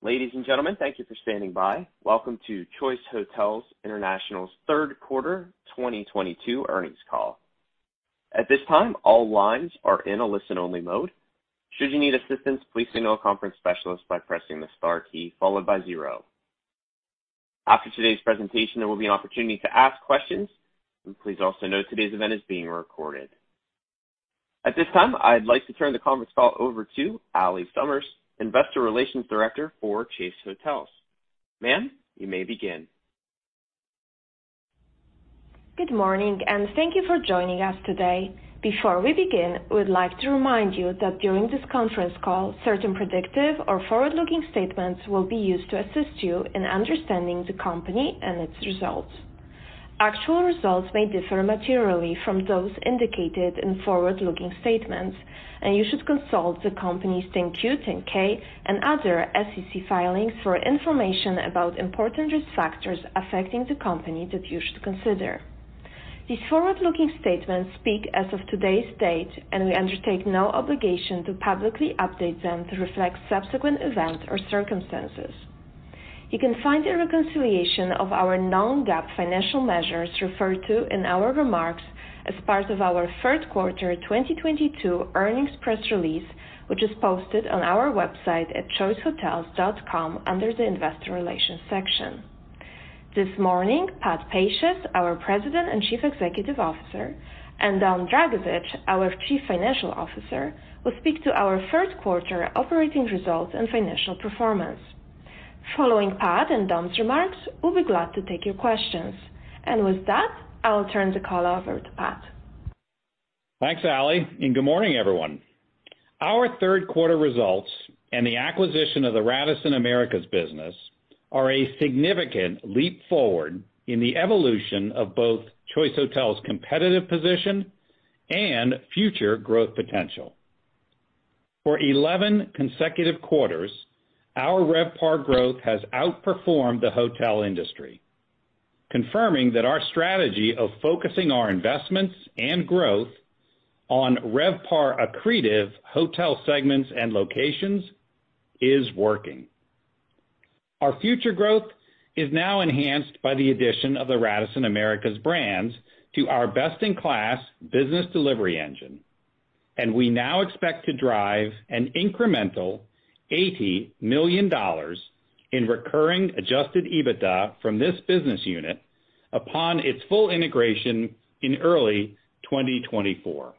Ladies and gentlemen, thank you for standing by. Welcome to Choice Hotels International's Q3 2022 earnings call. At this time, all lines are in a listen-only mode. Should you need assistance, please signal a conference specialist by pressing the star key followed by zero. After today's presentation, there will be an opportunity to ask questions, and please also note today's event is being recorded. At this time, I'd like to turn the conference call over to Allie Summers, Investor Relations Director for Choice Hotels. Ma'am, you may begin. Good morning and thank you for joining us today. Before we begin, we'd like to remind you that during this conference call, certain predictive or forward-looking statements will be used to assist you in understanding the company and its results. Actual results may differ materially from those indicated in forward-looking statements, and you should consult the company's 10-Q, 10-K, and other SEC filings for information about important risk factors affecting the company that you should consider. These forward-looking statements speak as of today's date, and we undertake no obligation to publicly update them to reflect subsequent events or circumstances. You can find a reconciliation of our non-GAAP financial measures referred to in our remarks as part of our Q3 2022 earnings press release, which is posted on our website at choicehotels.com under the investor relations section. This morning, Patrick Pacious, our President and Chief Executive Officer, and Dominic Dragisich, our Chief Financial Officer, will speak to our Q3 operating results and financial performance. Following Pat and Don's remarks, we'll be glad to take your questions. With that, I'll turn the call over to Pat. Thanks, Allie, and good morning, everyone. Our Q3 results and the acquisition of the Radisson Hotels Americas business are a significant leap forward in the evolution of both Choice Hotels' competitive position and future growth potential. For 11 consecutive quarters, our RevPAR growth has outperformed the hotel industry, confirming that our strategy of focusing our investments and growth on RevPAR accretive hotel segments and locations is working. Our future growth is now enhanced by the addition of the Radisson Hotels Americas brands to our best-in-class business delivery engine, and we now expect to drive an incremental $80 million in recurring adjusted EBITDA from this business unit upon its full integration in early 2024.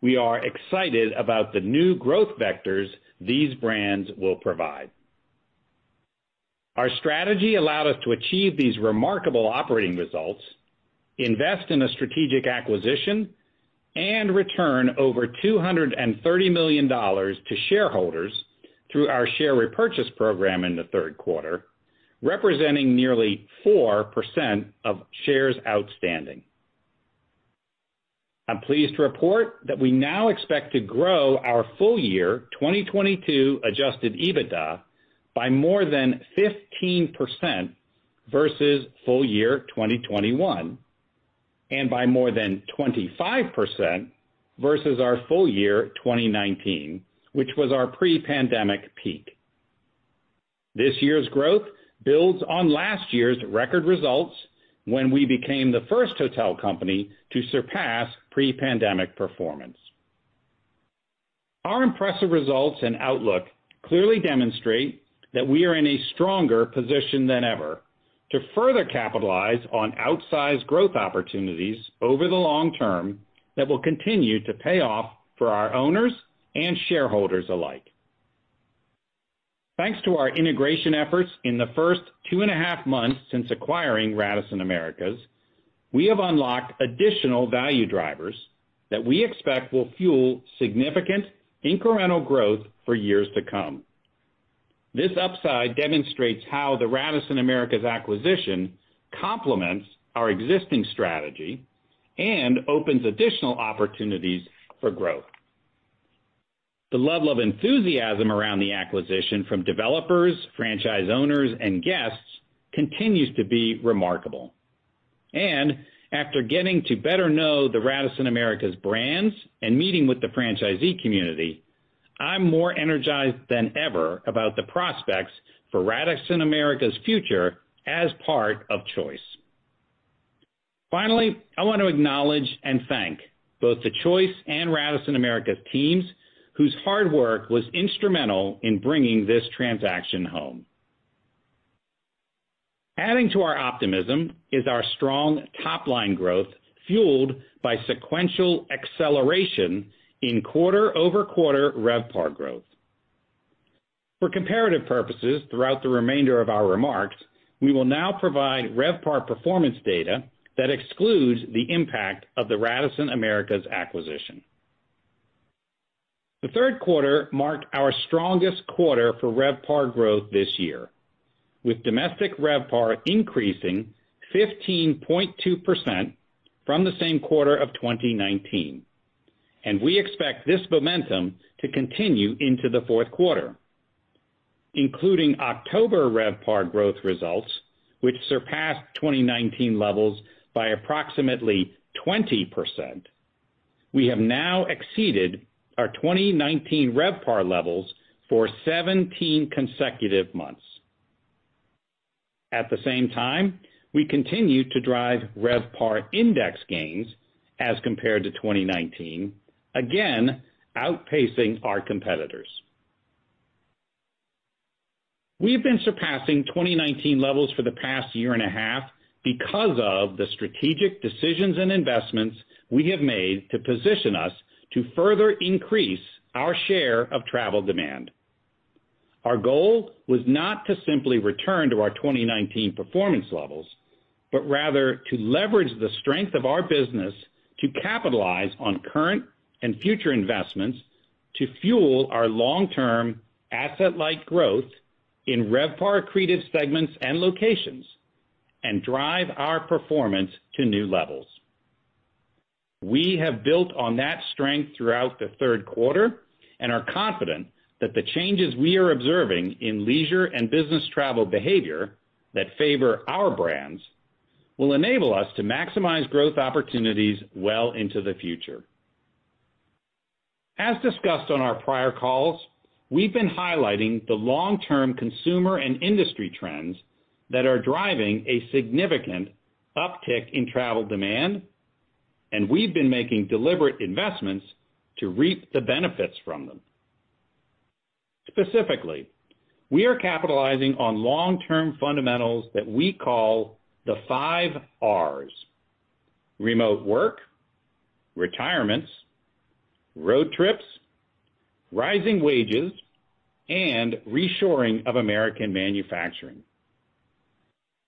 We are excited about the new growth vectors these brands will provide. Our strategy allowed us to achieve these remarkable operating results, invest in a strategic acquisition, and return over $230 million to shareholders through our share repurchase program in the Q3, representing nearly 4% of shares outstanding. I'm pleased to report that we now expect to grow our full year 2022 adjusted EBITDA by more than 15% versus full year 2021, and by more than 25% versus our full year 2019, which was our pre-pandemic peak. This year's growth builds on last year's record results when we became the first hotel company to surpass pre-pandemic performance. Our impressive results and outlook clearly demonstrate that we are in a stronger position than ever to further capitalize on outsized growth opportunities over the long term that will continue to pay off for our owners and shareholders alike. Thanks to our integration efforts in the first 2.5 months since acquiring Radisson Hotels Americas, we have unlocked additional value drivers that we expect will fuel significant incremental growth for years to come. This upside demonstrates how the Radisson Hotels Americas acquisition complements our existing strategy and opens additional opportunities for growth. The level of enthusiasm around the acquisition from developers, franchise owners, and guests continues to be remarkable. After getting to better know the Radisson Hotels Americas brands and meeting with the franchisee community, I'm more energized than ever about the prospects for Radisson Hotels Americas' future as part of Choice. Finally, I want to acknowledge and thank both the Choice and Radisson Hotels Americas teams whose hard work was instrumental in bringing this transaction home. Adding to our optimism is our strong top-line growth, fueled by sequential acceleration in quarter-over-quarter RevPAR growth. For comparative purposes throughout the remainder of our remarks, we will now provide RevPAR performance data that excludes the impact of the Radisson Hotels Americas acquisition. The Q3 marked our strongest quarter for RevPAR growth this year, with domestic RevPAR increasing 15.2% from the same quarter of 2019, and we expect this momentum to continue into the Q4. Including October RevPAR growth results, which surpassed 2019 levels by approximately 20%. We have now exceeded our 2019 RevPAR levels for 17 consecutive months. At the same time, we continue to drive RevPAR index gains as compared to 2019, again, outpacing our competitors. We have been surpassing 2019 levels for the past year and a half because of the strategic decisions and investments we have made to position us to further increase our share of travel demand. Our goal was not to simply return to our 2019 performance levels, but rather to leverage the strength of our business to capitalize on current and future investments to fuel our long-term asset-light growth in RevPAR accretive segments and locations and drive our performance to new levels. We have built on that strength throughout the Q3 and are confident that the changes we are observing in leisure and business travel behavior that favor our brands will enable us to maximize growth opportunities well into the future. As discussed on our prior calls, we've been highlighting the long-term consumer and industry trends that are driving a significant uptick in travel demand, and we've been making deliberate investments to reap the benefits from them. Specifically, we are capitalizing on long-term fundamentals that we call the five Rs, remote work, retirements, road trips, rising wages, and reshoring of American manufacturing.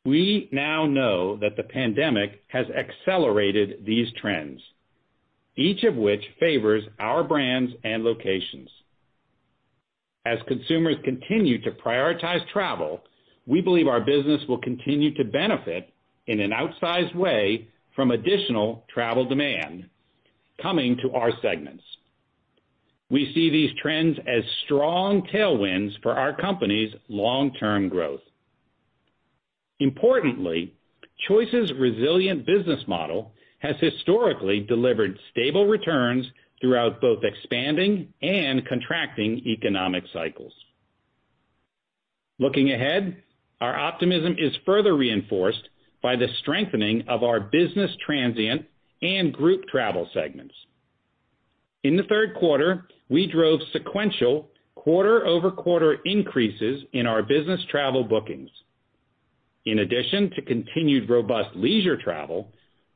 We now know that the pandemic has accelerated these trends, each of which favors our brands and locations. As consumers continue to prioritize travel, we believe our business will continue to benefit in an outsized way from additional travel demand coming to our segments. We see these trends as strong tailwinds for our company's long-term growth. Importantly, Choice's resilient business model has historically delivered stable returns throughout both expanding and contracting economic cycles. Looking ahead, our optimism is further reinforced by the strengthening of our business transient and group travel segments. In the Q3, we drove sequential quarter-over-quarter increases in our business travel bookings. In addition to continued robust leisure travel,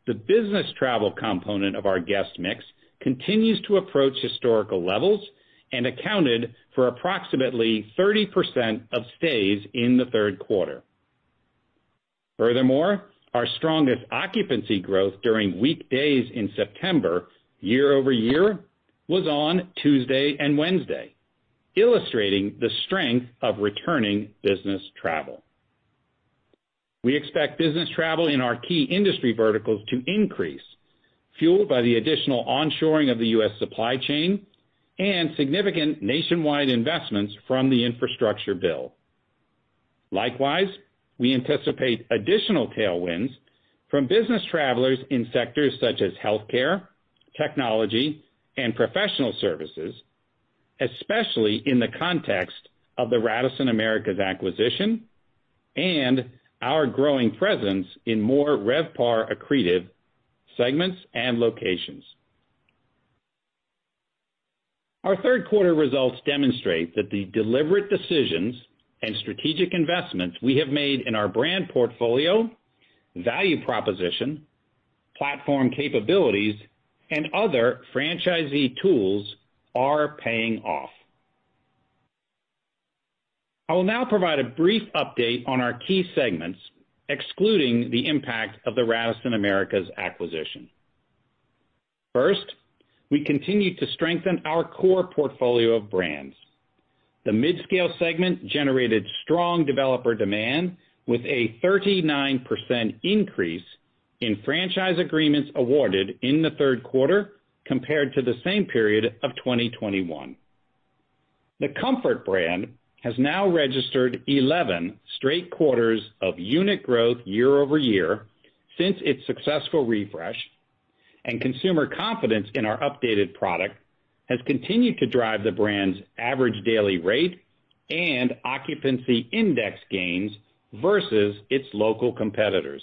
the business travel component of our guest mix continues to approach historical levels and accounted for approximately 30% of stays in the Q3. Furthermore, our strongest occupancy growth during weekdays in September year-over-year was on Tuesday and Wednesday, illustrating the strength of returning business travel. We expect business travel in our key industry verticals to increase, fueled by the additional onshoring of the U.S. supply chain and significant nationwide investments from the infrastructure bill. Likewise, we anticipate additional tailwinds from business travelers in sectors such as healthcare, technology, and professional services, especially in the context of the Radisson Hotels Americas acquisition and our growing presence in more RevPAR accretive segments and locations. Our Q3 results demonstrate that the deliberate decisions and strategic investments we have made in our brand portfolio, value proposition, platform capabilities, and other franchisee tools are paying off. I will now provide a brief update on our key segments, excluding the impact of the Radisson Hotels Americas acquisition. First, we continue to strengthen our core portfolio of brands. The midscale segment generated strong developer demand with a 39% increase in franchise agreements awarded in the Q3 compared to the same period of 2021. The Comfort brand has now registered 11 straight quarters of unit growth year-over-year since its successful refresh, and consumer confidence in our updated product has continued to drive the brand's average daily rate and occupancy index gains versus its local competitors.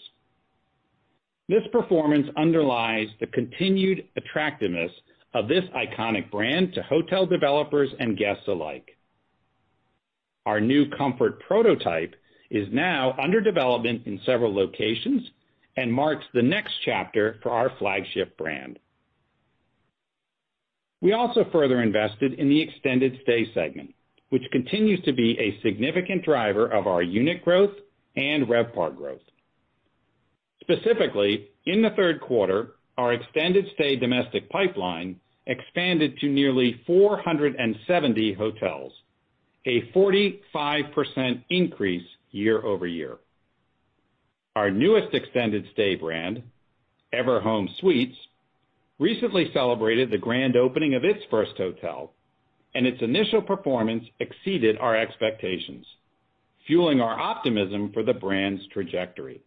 This performance underlies the continued attractiveness of this iconic brand to hotel developers and guests alike. Our new Comfort prototype is now under development in several locations and marks the next chapter for our flagship brand. We also further invested in the extended stay segment, which continues to be a significant driver of our unit growth and RevPAR growth. Specifically, in the Q3, our extended stay domestic pipeline expanded to nearly 470 hotels, a 45% increase year-over-year. Our newest extended stay brand, Everhome Suites, recently celebrated the grand opening of its first hotel, and its initial performance exceeded our expectations, fueling our optimism for the brand's trajectory.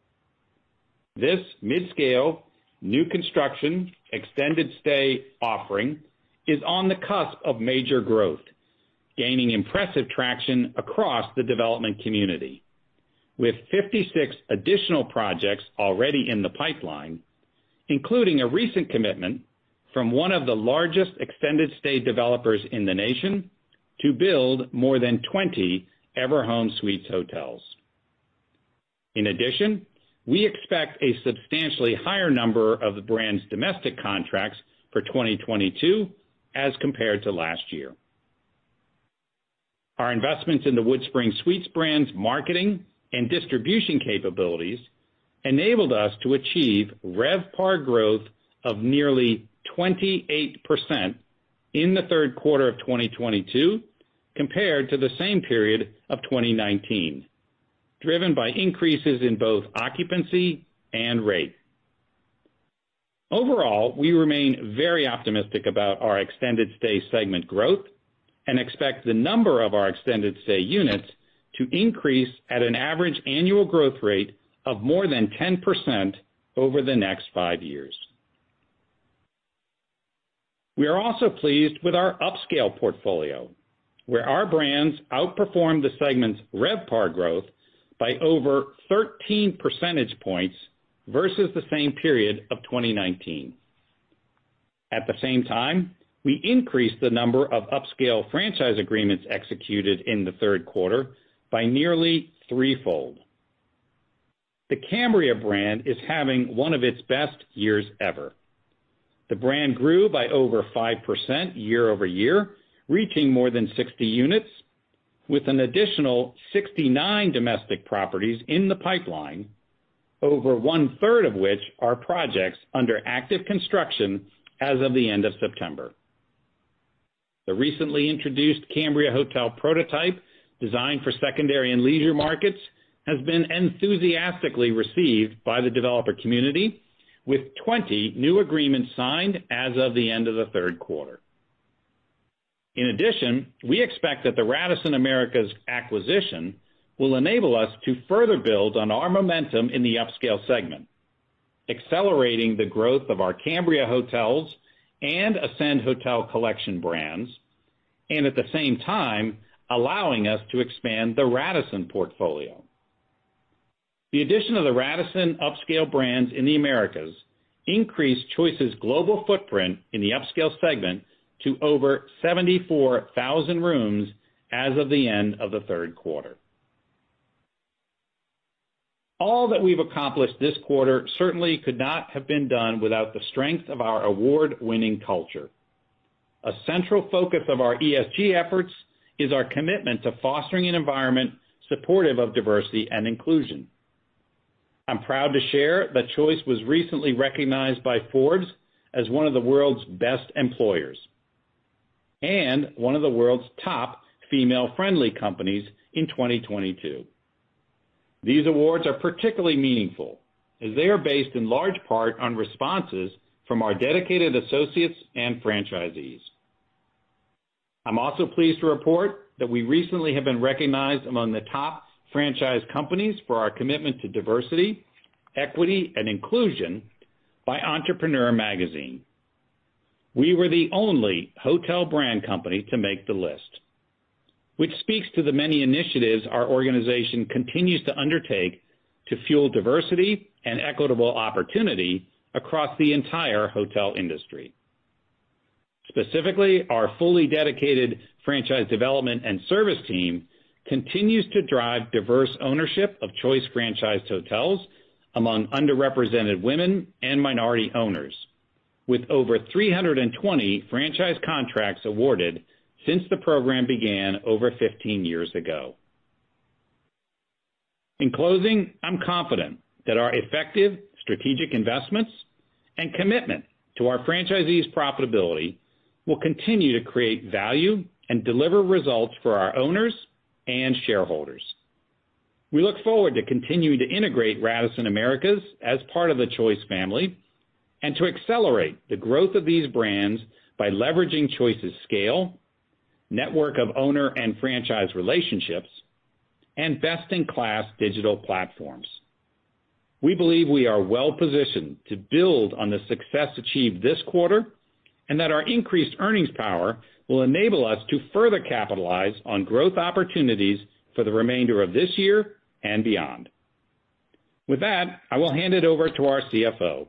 This mid-scale, new construction, extended stay offering is on the cusp of major growth, gaining impressive traction across the development community. With 56 additional projects already in the pipeline, including a recent commitment from one of the largest extended stay developers in the nation to build more than 20 Everhome Suites hotels. In addition, we expect a substantially higher number of the brand's domestic contracts for 2022 as compared to last year. Our investments in the WoodSpring Suites brand's marketing and distribution capabilities enabled us to achieve RevPAR growth of nearly 28% in the Q3 of 2022 compared to the same period of 2019, driven by increases in both occupancy and rate. Overall, we remain very optimistic about our extended stay segment growth and expect the number of our extended stay units to increase at an average annual growth rate of more than 10% over the next 5 years. We are also pleased with our upscale portfolio, where our brands outperformed the segment's RevPAR growth by over 13 percentage points versus the same period of 2019. At the same time, we increased the number of upscale franchise agreements executed in the Q3 by nearly threefold. The Cambria brand is having one of its best years ever. The brand grew by over 5% year-over-year, reaching more than 60 units, with an additional 69 domestic properties in the pipeline, over one-third of which are projects under active construction as of the end of September. The recently introduced Cambria Hotels prototype, designed for secondary and leisure markets, has been enthusiastically received by the developer community, with 20 new agreements signed as of the end of the Q3. In addition, we expect that the Radisson Hotels Americas acquisition will enable us to further build on our momentum in the upscale segment, accelerating the growth of our Cambria Hotels and Ascend Hotel Collection brands, and at the same time, allowing us to expand the Radisson portfolio. The addition of the Radisson upscale brands in the Americas increased Choice's global footprint in the upscale segment to over 74,000 rooms as of the end of the Q3. All that we've accomplished this quarter certainly could not have been done without the strength of our award-winning culture. A central focus of our ESG efforts is our commitment to fostering an environment supportive of diversity and inclusion. I'm proud to share that Choice was recently recognized by Forbes as one of the world's best employers and one of the world's top female-friendly companies in 2022. These awards are particularly meaningful as they are based in large part on responses from our dedicated associates and franchisees. I'm also pleased to report that we recently have been recognized among the top franchise companies for our commitment to diversity, equity, and inclusion by Entrepreneur Magazine. We were the only hotel brand company to make the list, which speaks to the many initiatives our organization continues to undertake to fuel diversity and equitable opportunity across the entire hotel industry. Specifically, our fully dedicated franchise development and service team continues to drive diverse ownership of Choice franchised hotels among underrepresented women and minority owners, with over 320 franchise contracts awarded since the program began over 15 years ago. In closing, I'm confident that our effective strategic investments and commitment to our franchisees' profitability will continue to create value and deliver results for our owners and shareholders. We look forward to continuing to integrate Radisson Americas as part of the Choice family and to accelerate the growth of these brands by leveraging Choice's scale, network of owner and franchise relationships, and best-in-class digital platforms. We believe we are well-positioned to build on the success achieved this quarter and that our increased earnings power will enable us to further capitalize on growth opportunities for the remainder of this year and beyond. With that, I will hand it over to our CFO.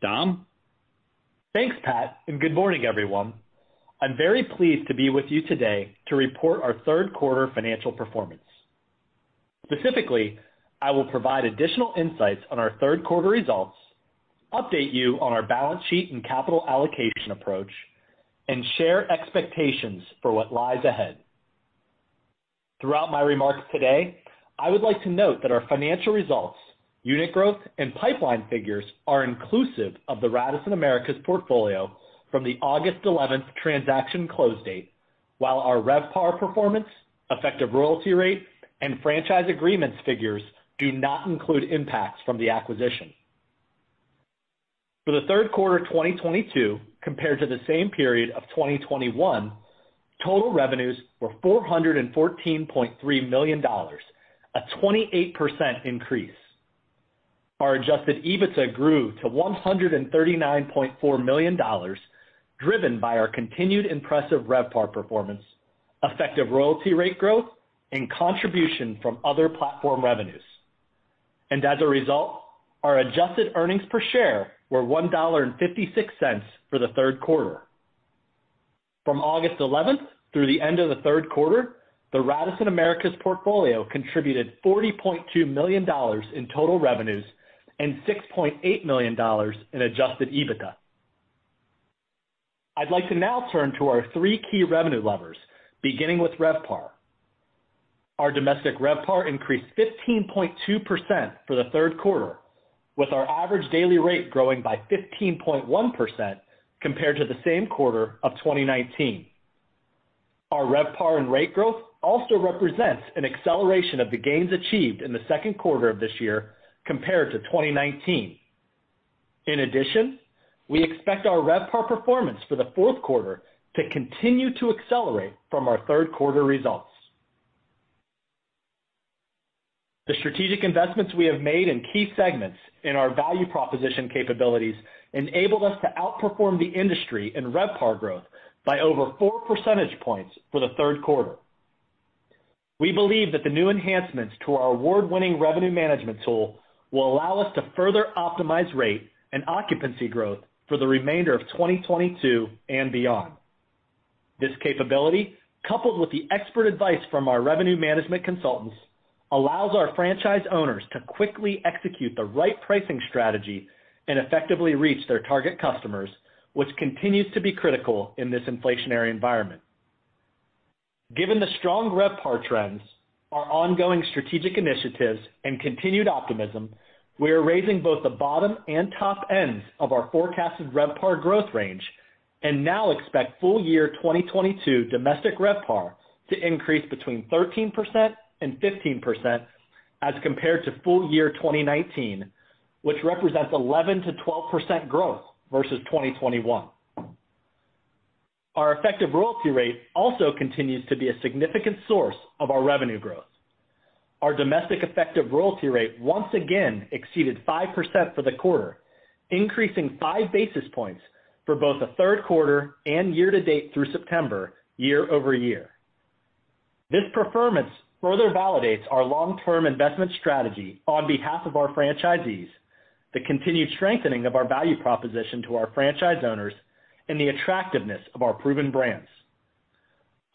Dom? Thanks, Pat, and good morning, everyone. I'm very pleased to be with you today to report our Q3 financial performance. Specifically, I will provide additional insights on our Q3 results, update you on our balance sheet and capital allocation approach, and share expectations for what lies ahead. Throughout my remarks today, I would like to note that our financial results, unit growth, and pipeline figures are inclusive of the Radisson Hotels Americas portfolio from the August eleventh transaction close date, while our RevPAR performance, effective royalty rate, and franchise agreements figures do not include impacts from the acquisition. For the Q3 2022 compared to the same period of 2021, total revenues were $414.3 million, a 28% increase. Our adjusted EBITDA grew to $139.4 million, driven by our continued impressive RevPAR performance, effective royalty rate growth, and contribution from other platform revenues. As a result, our adjusted earnings per share were $1.56 for the Q3. From August 11 through the end of the Q3, the Radisson Americas portfolio contributed $40.2 million in total revenues and $6.8 million in adjusted EBITDA. I'd like to now turn to our three key revenue levers, beginning with RevPAR. Our domestic RevPAR increased 15.2% for the Q3, with our average daily rate growing by 15.1% compared to the same quarter of 2019. Our RevPAR and rate growth also represents an acceleration of the gains achieved in the Q2 of this year compared to 2019. In addition, we expect our RevPAR performance for the Q4 to continue to accelerate from our Q3 results. The strategic investments we have made in key segments in our value proposition capabilities enabled us to outperform the industry in RevPAR growth by over 4 percentage points for the Q3. We believe that the new enhancements to our award-winning revenue management tool will allow us to further optimize rate and occupancy growth for the remainder of 2022 and beyond. This capability, coupled with the expert advice from our revenue management consultants, allows our franchise owners to quickly execute the right pricing strategy and effectively reach their target customers, which continues to be critical in this inflationary environment. Given the strong RevPAR trends, our ongoing strategic initiatives, and continued optimism, we are raising both the bottom and top ends of our forecasted RevPAR growth range and now expect full year 2022 domestic RevPAR to increase between 13% and 15% as compared to full year 2019, which represents 11 to 12% growth versus 2021. Our effective royalty rate also continues to be a significant source of our revenue growth. Our domestic effective royalty rate once again exceeded 5% for the quarter, increasing five basis points for both the Q3 and year-to-date through September year-over-year. This performance further validates our long-term investment strategy on behalf of our franchisees, the continued strengthening of our value proposition to our franchise owners, and the attractiveness of our proven brands.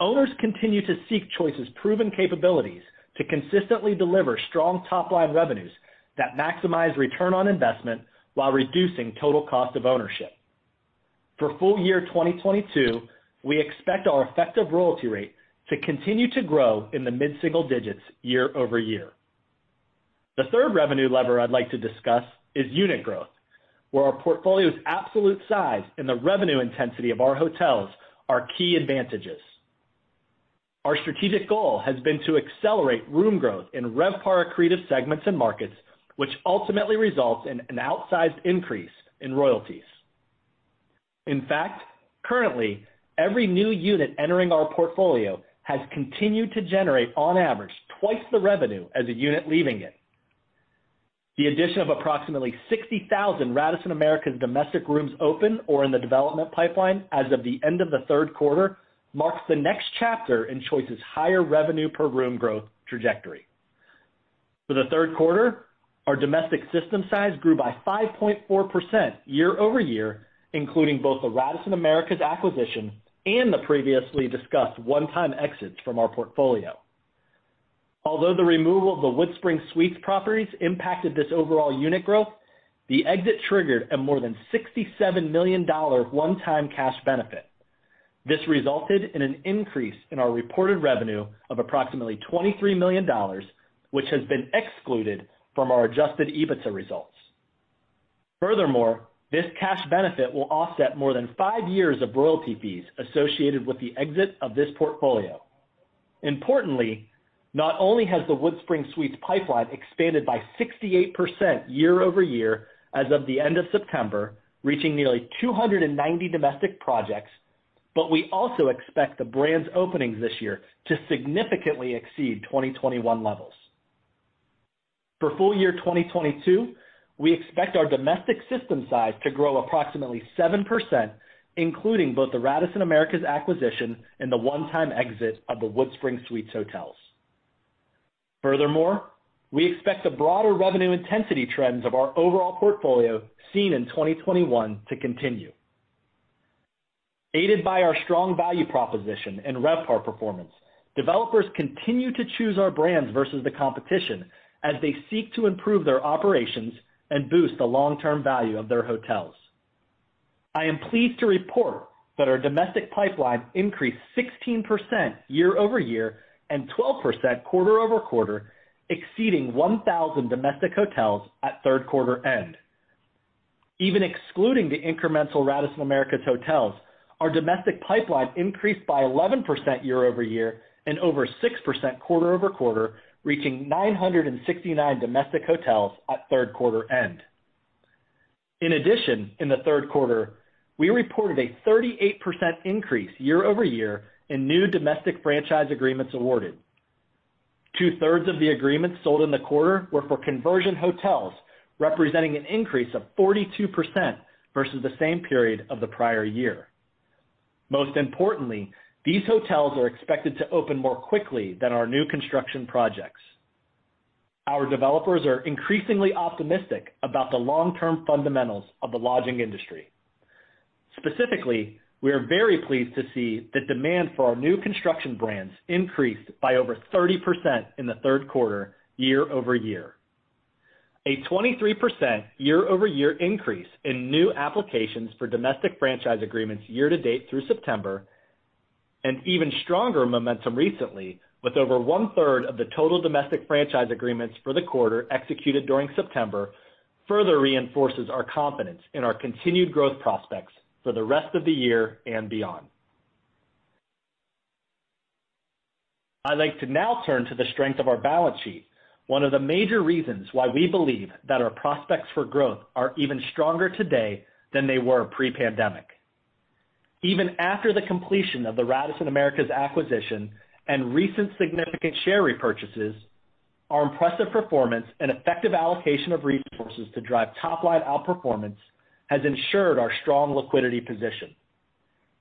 Owners continue to seek Choice's proven capabilities to consistently deliver strong top-line revenues that maximize return on investment while reducing total cost of ownership. For full year 2022, we expect our effective royalty rate to continue to grow in the mid-single digits year-over-year. The third revenue lever I'd like to discuss is unit growth, where our portfolio's absolute size and the revenue intensity of our hotels are key advantages. Our strategic goal has been to accelerate room growth in RevPAR accretive segments and markets, which ultimately results in an outsized increase in royalties. In fact, currently, every new unit entering our portfolio has continued to generate, on average, twice the revenue as a unit leaving it. The addition of approximately 60,000 Radisson Hotels Americas domestic rooms open or in the development pipeline as of the end of the Q3 marks the next chapter in Choice's higher revenue per room growth trajectory. For the Q3, our domestic system size grew by 5.4% year-over-year, including both the Radisson Hotels Americas acquisition and the previously discussed one-time exits from our portfolio. Although the removal of the WoodSpring Suites properties impacted this overall unit growth, the exit triggered a more than $67 million one-time cash benefit. This resulted in an increase in our reported revenue of approximately $23 million, which has been excluded from our adjusted EBITDA results. Furthermore, this cash benefit will offset more than 5 years of royalty fees associated with the exit of this portfolio. Importantly, not only has the WoodSpring Suites pipeline expanded by 68% year-over-year as of the end of September, reaching nearly 290 domestic projects, but we also expect the brand's openings this year to significantly exceed 2021 levels. For full year 2022, we expect our domestic system size to grow approximately 7%, including both the Radisson Hotels Americas acquisition and the one-time exit of the WoodSpring Suites hotels. Furthermore, we expect the broader revenue intensity trends of our overall portfolio seen in 2021 to continue. Aided by our strong value proposition and RevPAR performance, developers continue to choose our brands versus the competition as they seek to improve their operations and boost the long-term value of their hotels. I am pleased to report that our domestic pipeline increased 16% year-over-year and 12% quarter-over-quarter, exceeding 1,000 domestic hotels at Q3 end. Even excluding the incremental Radisson Hotels Americas hotels, our domestic pipeline increased by 11% year-over-year and over 6% quarter-over-quarter, reaching 969 domestic hotels at Q3 end. In addition, in the Q3, we reported a 38% increase year-over-year in new domestic franchise agreements awarded. Two-thirds of the agreements sold in the quarter were for conversion hotels, representing an increase of 42% versus the same period of the prior year. Most importantly, these hotels are expected to open more quickly than our new construction projects. Our developers are increasingly optimistic about the long-term fundamentals of the lodging industry. Specifically, we are very pleased to see the demand for our new construction brands increased by over 30% in the Q3 year-over-year. A 23% year-over-year increase in new applications for domestic franchise agreements year to date through September, and even stronger momentum recently, with over one-third of the total domestic franchise agreements for the quarter executed during September, further reinforces our confidence in our continued growth prospects for the rest of the year and beyond. I'd like to now turn to the strength of our balance sheet, one of the major reasons why we believe that our prospects for growth are even stronger today than they were pre-pandemic. Even after the completion of the Radisson Americas acquisition and recent significant share repurchases, our impressive performance and effective allocation of resources to drive top-line outperformance has ensured our strong liquidity position.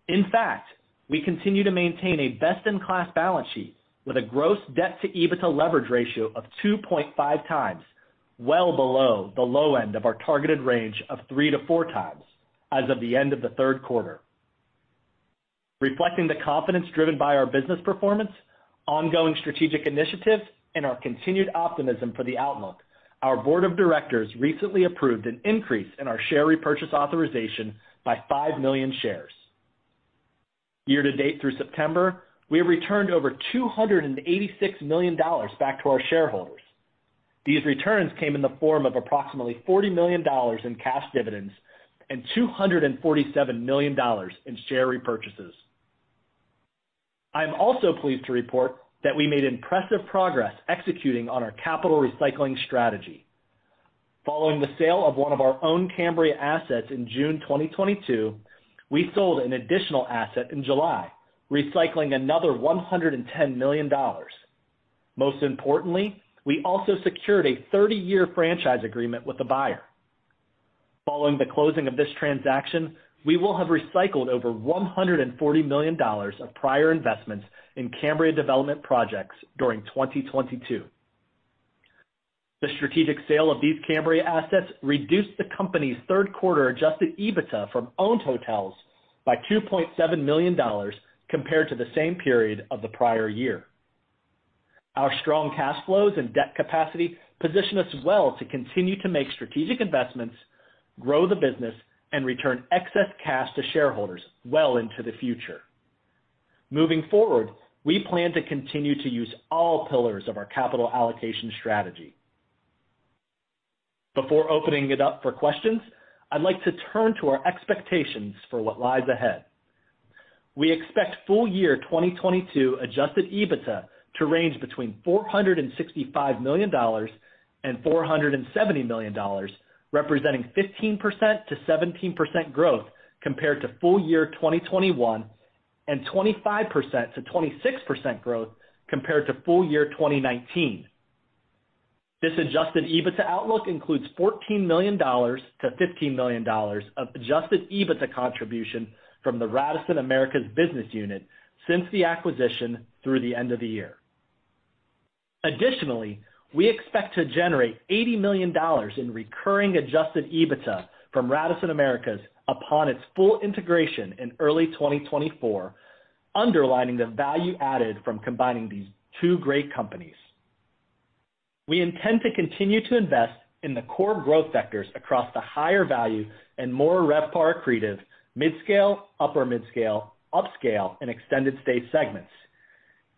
In fact, we continue to maintain a best-in-class balance sheet with a gross debt to EBITDA leverage ratio of 2.5 times, well below the low end of our targeted range of 3 to 4 times as of the end of the Q3. Reflecting the confidence driven by our business performance, ongoing strategic initiatives, and our continued optimism for the outlook, our board of directors recently approved an increase in our share repurchase authorization by 5 million shares. Year to date through September, we have returned over $286 million back to our shareholders. These returns came in the form of approximately $40 million in cash dividends and $247 million in share repurchases. I am also pleased to report that we made impressive progress executing on our capital recycling strategy. Following the sale of one of our own Cambria assets in June 2022, we sold an additional asset in July, recycling another $110 million. Most importantly, we also secured a 30-year franchise agreement with the buyer. Following the closing of this transaction, we will have recycled over $140 million of prior investments in Cambria development projects during 2022. The strategic sale of these Cambria assets reduced the company's Q3 adjusted EBITDA from owned hotels by $2.7 million compared to the same period of the prior year. Our strong cash flows and debt capacity position us well to continue to make strategic investments, grow the business, and return excess cash to shareholders well into the future. Moving forward, we plan to continue to use all pillars of our capital allocation strategy. Before opening it up for questions, I'd like to turn to our expectations for what lies ahead. We expect full year 2022 adjusted EBITDA to range between $465 million and $470 million, representing 15%-17% growth compared to full year 2021, and 25 to 26% growth compared to full year 2019. This adjusted EBITDA outlook includes $14 to 15 million of adjusted EBITDA contribution from the Radisson Hotels Americas business unit since the acquisition through the end of the year. Additionally, we expect to generate $80 million in recurring adjusted EBITDA from Radisson Hotels Americas upon its full integration in early 2024, underlining the value added from combining these two great companies. We intend to continue to invest in the core growth sectors across the higher value and more RevPAR accretive midscale, upper midscale, upscale and extended stay segments.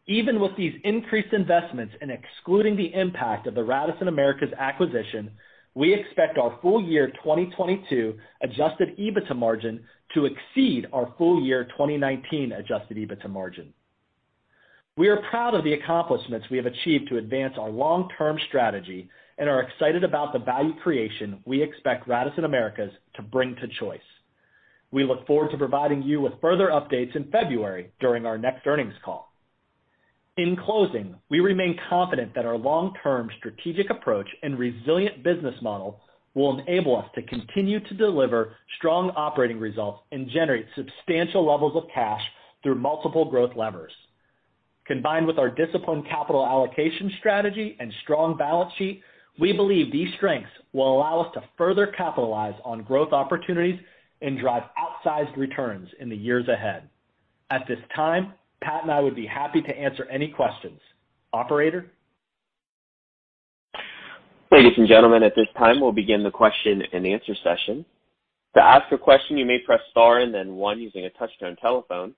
Even with these increased investments and excluding the impact of the Radisson Americas acquisition, we expect our full year 2022 adjusted EBITDA margin to exceed our full year 2019 adjusted EBITDA margin. We are proud of the accomplishments we have achieved to advance our long-term strategy and are excited about the value creation we expect Radisson Americas to bring to Choice. We look forward to providing you with further updates in February during our next earnings call. In closing, we remain confident that our long-term strategic approach and resilient business model will enable us to continue to deliver strong operating results and generate substantial levels of cash through multiple growth levers. Combined with our disciplined capital allocation strategy and strong balance sheet, we believe these strengths will allow us to further capitalize on growth opportunities and drive outsized returns in the years ahead. At this time, Pat and I would be happy to answer any questions. Operator? Ladies and gentlemen, at this time, we'll begin the question-and-answer session. To ask a question, you may press star and then one using a touch-tone telephone.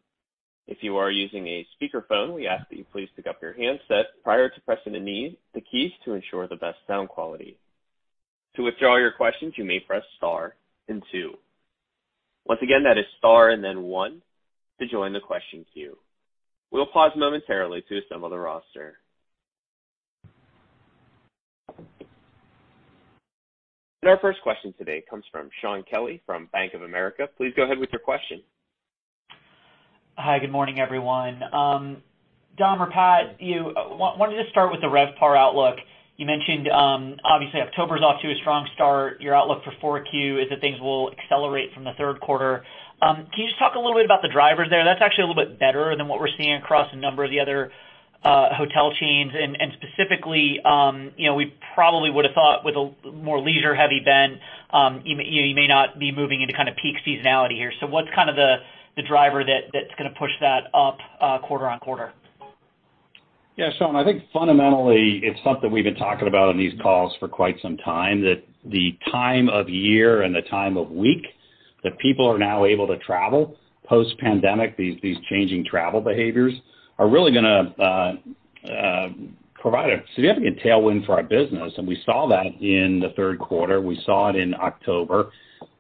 If you are using a speakerphone, we ask that you please pick up your handset prior to pressing the keys to ensure the best sound quality. To withdraw your questions, you may press star and two. Once again, that is star and then one to join the question queue. We'll pause momentarily to assemble the roster. Our first question today comes from Shaun Kelley from Bank of America. Please go ahead with your question. Hi, good morning, everyone. Dom or Pat, I wanted to start with the RevPAR outlook. You mentioned, obviously, October's off to a strong start. Your outlook for 4Q is that things will accelerate from the Q3. Can you just talk a little bit about the drivers there? That's actually a little bit better than what we're seeing across a number of the other hotel chains. Specifically, you know, we probably would have thought with a more leisure heavy bend, you may not be moving into kind of peak seasonality here. What's kind of the driver that's gonna push that up, quarter on quarter? Yeah, Shaun, I think fundamentally it's something we've been talking about on these calls for quite some time, that the time of year and the time of week that people are now able to travel post-pandemic, these changing travel behaviors are really gonna provide a significant tailwind for our business. We saw that in the Q3. We saw it in October.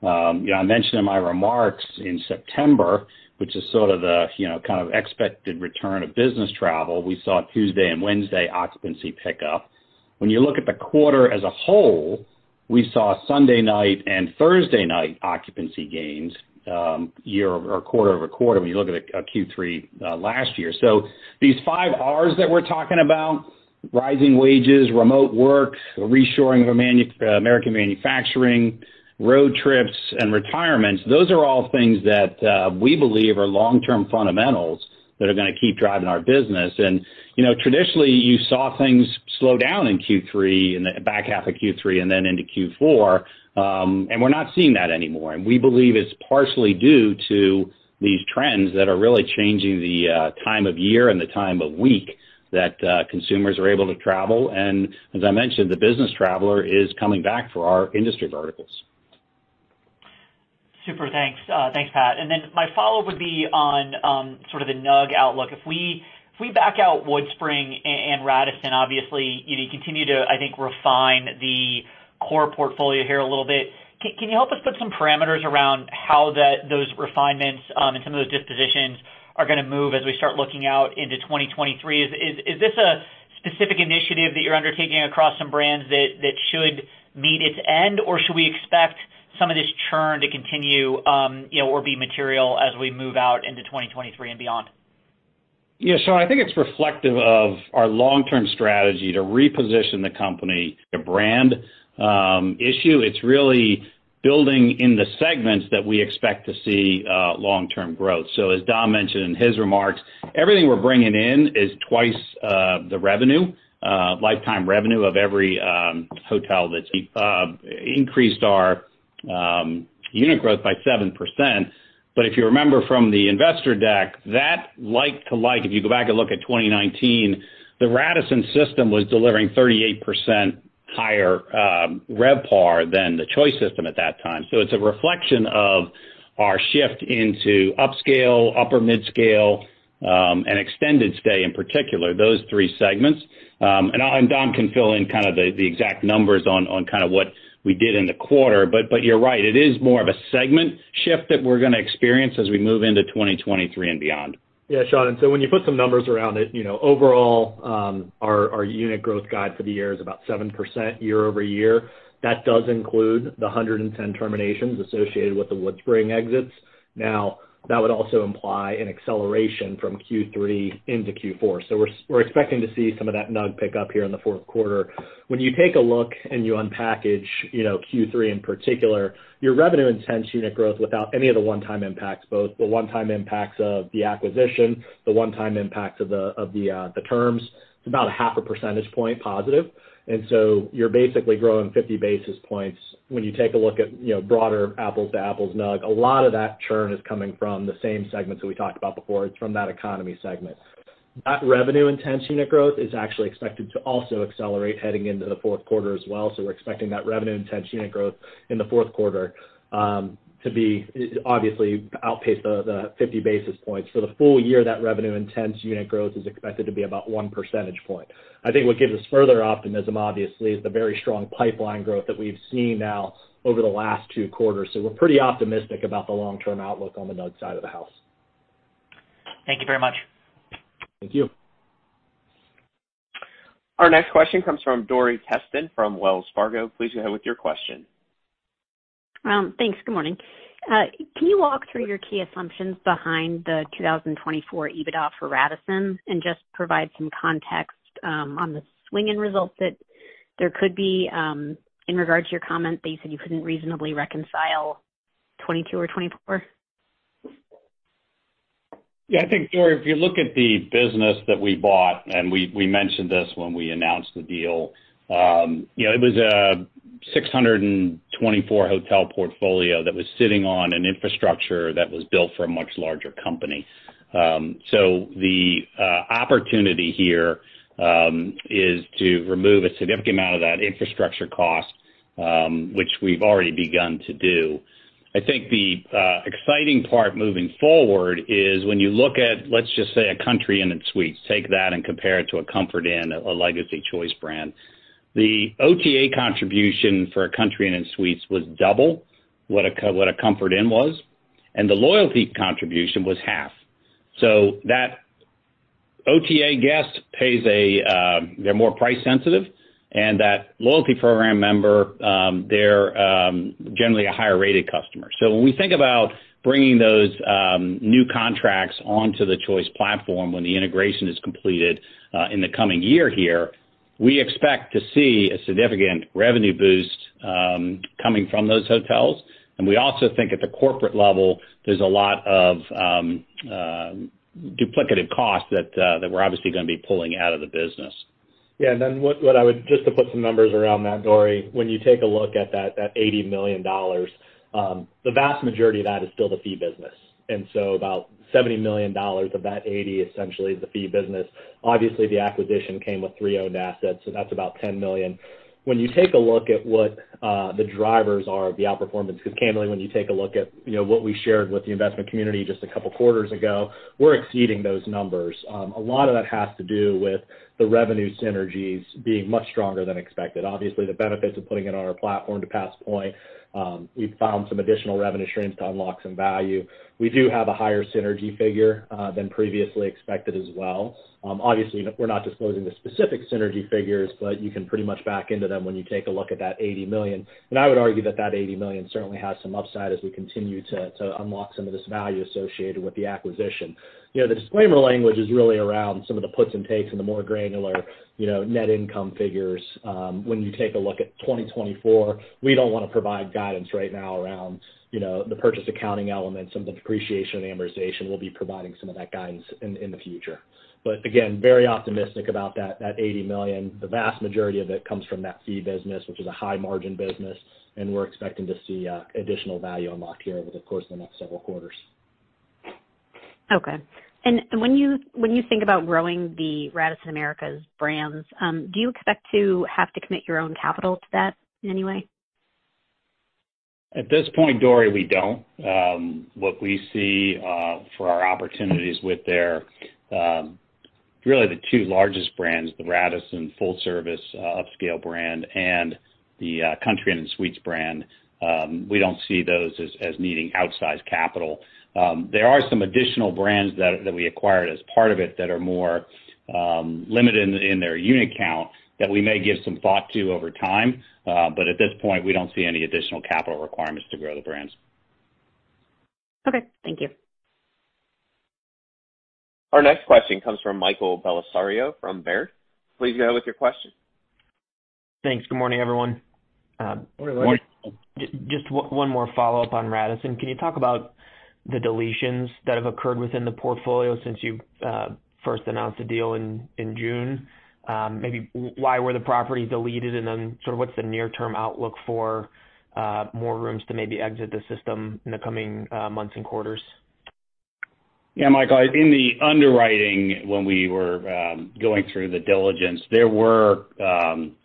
You know, I mentioned in my remarks in September, which is sort of the, you know, kind of expected return of business travel. We saw Tuesday and Wednesday occupancy pick up. When you look at the quarter as a whole, we saw Sunday night and Thursday night occupancy gains, quarter over quarter when you look at Q3 last year. These five Rs that we're talking about, rising wages, remote work, reshoring of American manufacturing, road trips and retirements, those are all things that we believe are long-term fundamentals that are gonna keep driving our business. You know, traditionally, you saw things slowdown in Q3, in the back half of Q3 and then into Q4. We're not seeing that anymore. We believe it's partially due to these trends that are really changing the time of year and the time of week that consumers are able to travel. As I mentioned, the business traveler is coming back for our industry verticals. Super. Thanks. Thanks, Pat. Then my follow-up would be on sort of the NUG outlook. If we back out WoodSpring and Radisson, obviously, you continue to, I think, refine the core portfolio here a little bit. Can you help us put some parameters around how those refinements and some of those dispositions are gonna move as we start looking out into 2023? Is this a specific initiative that you're undertaking across some brands that should meet its end? Or should we expect some of this churn to continue, you know, or be material as we move out into 2023 and beyond? Yeah, Shaun, I think it's reflective of our long-term strategy to reposition the company, the brand, issue. It's really building in the segments that we expect to see long-term growth. As Dom mentioned in his remarks, everything we're bringing in is twice the revenue lifetime revenue of every hotel that's increased our unit growth by 7%. But if you remember from the investor deck, that like-for-like, if you go back and look at 2019, the Radisson system was delivering 38% higher RevPAR than the Choice system at that time. It's a reflection of our shift into upscale, upper midscale, and extended stay in particular, those three segments. And Dom can fill in kind of the exact numbers on kind of what we did in the quarter. You're right, it is more of a segment shift that we're gonna experience as we move into 2023 and beyond. Yeah, Shaun. When you put some numbers around it, you know, overall, our unit growth guide for the year is about 7% year-over-year. That does include the 110 terminations associated with the WoodSpring exits. Now, that would also imply an acceleration from Q3 into Q4. We're expecting to see some of that NUG pick up here in the Q4. When you take a look and you unpack, you know, Q3 in particular, your revenue intense unit growth without any of the one-time impacts, both the one-time impacts of the acquisition, the one-time impacts of the terminations, it's about a half a percentage point positive. You're basically growing 50 basis points when you take a look at, you know, broader apples to apples NUG. A lot of that churn is coming from the same segments that we talked about before. It's from that economy segment. That revenue-intensive unit growth is actually expected to also accelerate heading into the Q4 as well. We're expecting that revenue-intensive unit growth in the Q4 to obviously outpace the 50 basis points. For the full year, that revenue-intensive unit growth is expected to be about one percentage point. I think what gives us further optimism, obviously, is the very strong pipeline growth that we've seen now over the last two quarters. We're pretty optimistic about the long-term outlook on the NUG side of the house. Thank you very much. Thank you. Our next question comes from Dori Kesten from Wells Fargo. Please go ahead with your question. Thanks. Good morning. Can you walk through your key assumptions behind the 2024 EBITDA for Radisson and just provide some context on the swing in results that there could be in regard to your comment that you said you couldn't reasonably reconcile 2022 or 2024? Yeah, I think, Dori, if you look at the business that we bought, and we mentioned this when we announced the deal, it was a 624-hotel portfolio that was sitting on an infrastructure that was built for a much larger company. The opportunity here is to remove a significant amount of that infrastructure cost, which we've already begun to do. I think the exciting part moving forward is when you look at, let's just say, a Country Inn & Suites, take that and compare it to a Comfort Inn, a legacy Choice brand. The OTA contribution for a Country Inn & Suites was double what a Comfort Inn was. The loyalty contribution was half. That OTA guest pays a, they're more price sensitive, and that loyalty program member, they're generally a higher rated customer. When we think about bringing those new contracts onto the Choice platform when the integration is completed in the coming year here, we expect to see a significant revenue boost coming from those hotels. We also think at the corporate level, there's a lot of duplicative costs that we're obviously gonna be pulling out of the business. Yeah. Just to put some numbers around that, Dori, when you take a look at that $80 million, the vast majority of that is still the fee business. About $70 million of that $80 million essentially is the fee business. Obviously, the acquisition came with three owned assets, so that's about $10 million. When you take a look at the drivers of the outperformance, because candidly, when you take a look at you know what we shared with the investment community just a couple of quarters ago, we're exceeding those numbers. A lot of that has to do with the revenue synergies being much stronger than expected. Obviously, the benefits of putting it on our platform to pass point, we found some additional revenue streams to unlock some value. We do have a higher synergy figure than previously expected as well. Obviously, we're not disclosing the specific synergy figures, but you can pretty much back into them when you take a look at that $80 million. I would argue that that $80 million certainly has some upside as we continue to unlock some of this value associated with the acquisition. You know, the disclaimer language is really around some of the puts and takes and the more granular, you know, net income figures. When you take a look at 2024, we don't wanna provide guidance right now around, you know, the purchase accounting elements and the depreciation and amortization. We'll be providing some of that guidance in the future. Again, very optimistic about that $80 million. The vast majority of it comes from that fee business, which is a high margin business, and we're expecting to see additional value unlocked here over the course of the next several quarters. Okay. When you think about growing the Radisson Americas brands, do you expect to have to commit your own capital to that in any way? At this point, Dori, we don't. What we see for our opportunities with there really the two largest brands, the Radisson full service upscale brand and the Country Inn & Suites brand, we don't see those as needing outsized capital. There are some additional brands that we acquired as part of it that are more limited in their unit count that we may give some thought to over time. At this point, we don't see any additional capital requirements to grow the brands. Okay. Thank you. Our next question comes from Michael Bellisario from Baird. Please go with your question. Thanks. Good morning, everyone. Good morning. Just one more follow-up on Radisson. Can you talk about the deletions that have occurred within the portfolio since you first announced the deal in June? Maybe why were the properties deleted? Then sort of what's the near-term outlook for more rooms to maybe exit the system in the coming months and quarters? Yeah, Michael, in the underwriting, when we were going through the diligence, there were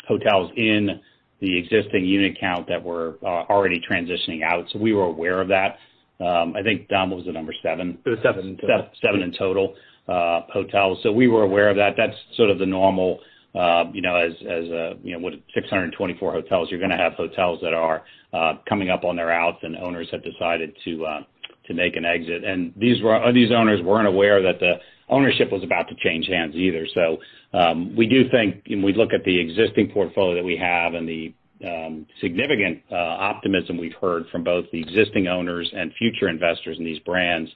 hotels in the existing unit count that were already transitioning out, so we were aware of that. I think, Dom, was the number seven? It was 7 in total. Seven in total, hotels. We were aware of that. That's sort of the normal, you know, as a, you know, with 624 hotels, you're gonna have hotels that are coming up on their outs and owners have decided to make an exit. These owners weren't aware that the ownership was about to change hands either. We do think when we look at the existing portfolio that we have and the significant optimism we've heard from both the existing owners and future investors in these brands,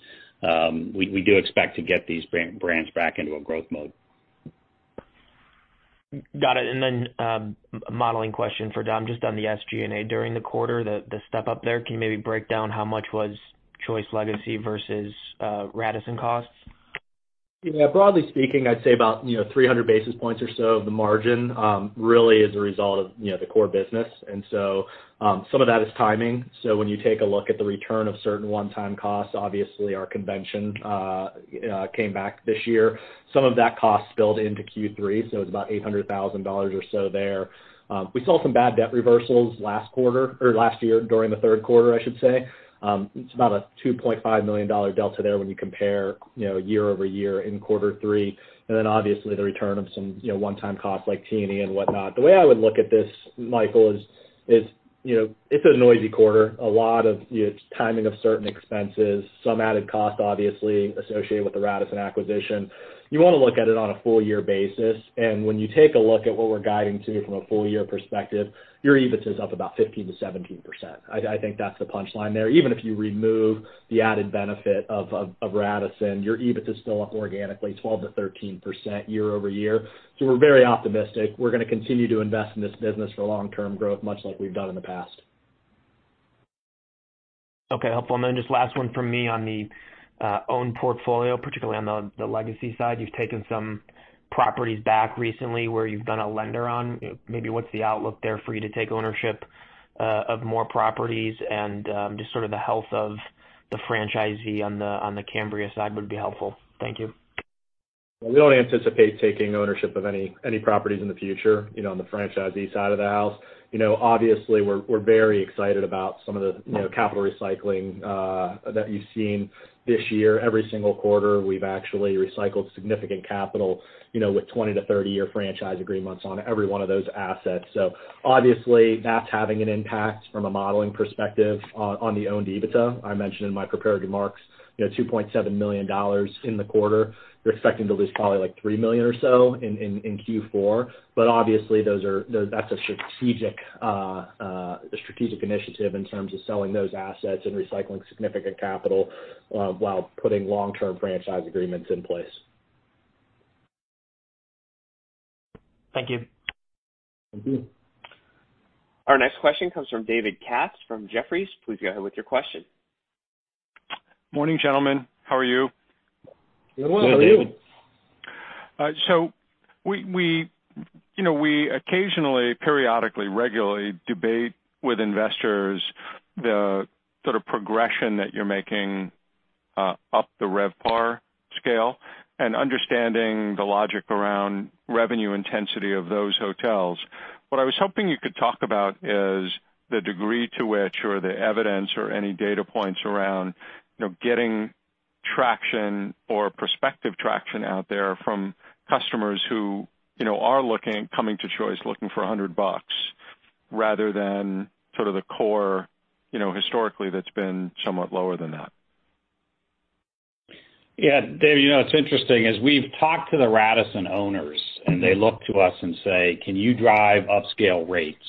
we do expect to get these brands back into a growth mode. Got it. A modeling question for Dom, just on the SG&A during the quarter, the step up there. Can you maybe break down how much was Choice legacy versus Radisson costs? Yeah. Broadly speaking, I'd say about, you know, 300 basis points or so of the margin really is a result of you know, the core business. Some of that is timing. When you take a look at the return of certain one-time costs, obviously our convention came back this year. Some of that cost spilled into Q3, so it's about $800,000 or so there. We saw some bad debt reversals last quarter or last year during the Q3, I should say. It's about a $2.5 million dollar delta there when you compare, you know, year-over-year in quarter three. Then obviously the return of some, you know, one-time costs like T&E and whatnot. The way I would look at this, Michael, is you know, it's a noisy quarter, a lot of you know, timing of certain expenses, some added cost obviously associated with the Radisson acquisition. You wanna look at it on a full year basis. When you take a look at what we're guiding to from a full year perspective, your EBIT is up about 15 to 17%. I think that's the punch line there. Even if you remove the added benefit of Radisson, your EBIT is still up organically 12%-13% year-over-year. We're very optimistic. We're gonna continue to invest in this business for long-term growth, much like we've done in the past. Okay. Helpful. Just last one from me on the owned portfolio, particularly on the legacy side. You've taken some properties back recently where you've been a lender on. Maybe what's the outlook there for you to take ownership of more properties and just sort of the health of the franchisee on the Cambria side would be helpful. Thank you. We don't anticipate taking ownership of any properties in the future, you know, on the franchisee side of the house. You know, obviously, we're very excited about some of the, you know, capital recycling that you've seen this year. Every single quarter, we've actually recycled significant capital, you know, with 20-to-30-year franchise agreements on every one of those assets. Obviously, that's having an impact from a modeling perspective on the owned EBITDA. I mentioned in my prepared remarks, you know, $2.7 million in the quarter. We're expecting to lose probably like $3 million or so in Q4. Obviously, those are that's a strategic initiative in terms of selling those assets and recycling significant capital while putting long-term franchise agreements in place. Thank you. Thank you. Our next question comes from David Katz from Jefferies. Please go ahead with your question. Morning, gentlemen. How are you? Good morning, David. Good. We you know we occasionally, periodically, regularly debate with investors the sort of progression that you're making up the RevPAR scale and understanding the logic around revenue intensity of those hotels. What I was hoping you could talk about is the degree to which or the evidence or any data points around, you know, getting traction or prospective traction out there from customers who, you know, are coming to Choice, looking for $100 rather than sort of the core, you know, historically, that's been somewhat lower than that. Yeah. David, you know, what's interesting is we've talked to the Radisson owners, and they look to us and say, "Can you drive upscale rates?"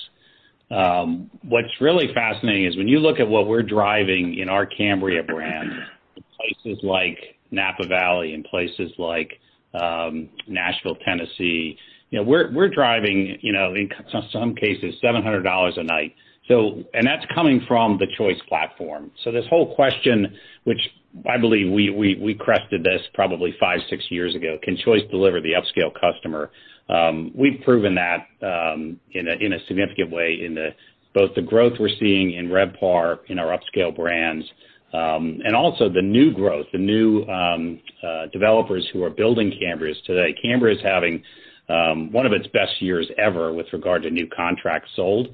What's really fascinating is when you look at what we're driving in our Cambria brand in places like Napa Valley and places like Nashville, Tennessee, you know, we're driving, you know, in some cases $700 a night. That's coming from the Choice platform. This whole question, which I believe we crossed this probably 5 to 6 years ago, can Choice deliver the upscale customer? We've proven that in a significant way in both the growth we're seeing in RevPAR in our upscale brands and also the new growth, the new developers who are building Cambrias today. Cambria is having one of its best years ever with regard to new contracts sold.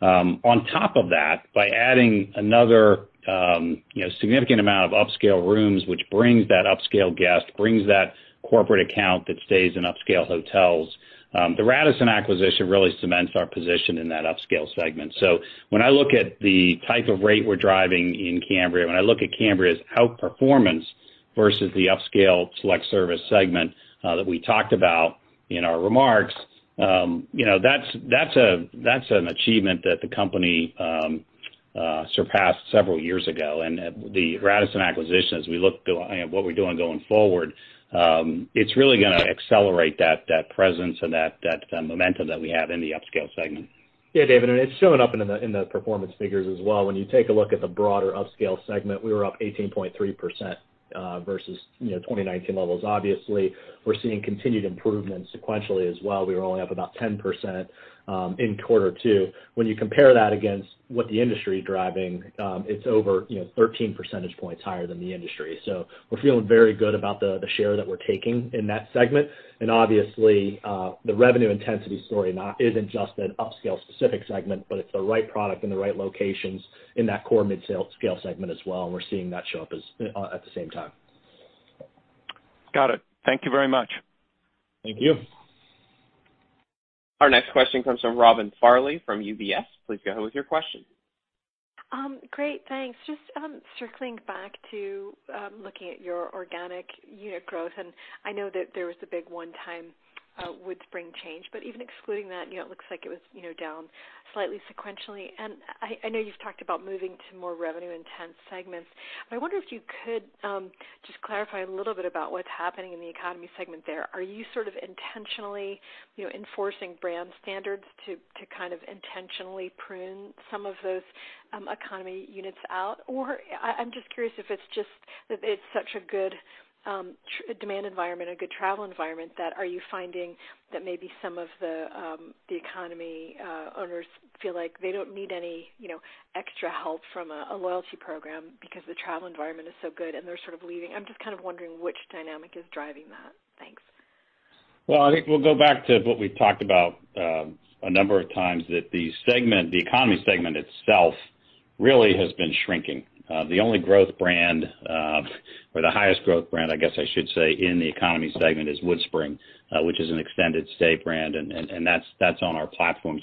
On top of that, by adding another, you know, significant amount of upscale rooms, which brings that upscale guest, brings that corporate account that stays in upscale hotels, the Radisson acquisition really cements our position in that upscale segment. When I look at the type of rate we're driving in Cambria, when I look at Cambria's outperformance versus the upscale select service segment, that we talked about in our remarks, you know, that's an achievement that the company surpassed several years ago. The Radisson acquisition, what we're doing going forward, it's really gonna accelerate that presence and that momentum that we have in the upscale segment. Yeah, David, it's showing up in the performance figures as well. When you take a look at the broader upscale segment, we were up 18.3% versus 2019 levels. Obviously, we're seeing continued improvement sequentially as well. We were only up about 10% in quarter two. When you compare that against what the industry is driving, it's over thirteen percentage points higher than the industry. We're feeling very good about the share that we're taking in that segment. Obviously, the revenue intensity story isn't just an upscale specific segment, but it's the right product and the right locations in that core midscale segment as well. We're seeing that show up as at the same time. Got it. Thank you very much. Thank you. Our next question comes from Robin Farley from UBS. Please go ahead with your question. Great. Thanks. Just circling back to looking at your organic unit growth, and I know that there was a big one-time WoodSpring change, but even excluding that, you know, it looks like it was, you know, down slightly sequentially. I know you've talked about moving to more revenue intense segments. I wonder if you could just clarify a little bit about what's happening in the economy segment there. Are you sort of intentionally, you know, enforcing brand standards to kind of intentionally prune some of those economy units out? I'm just curious if it's just that it's such a good demand environment, a good travel environment that, are you finding that maybe some of the economy owners feel like they don't need any, you know, extra help from a loyalty program because the travel environment is so good and they're sort of leaving. I'm just kind of wondering which dynamic is driving that. Thanks. Well, I think we'll go back to what we've talked about, a number of times, that the segment, the economy segment itself really has been shrinking. The only growth brand, or the highest growth brand, I guess I should say, in the economy segment is WoodSpring, which is an extended stay brand, and that's on our platform.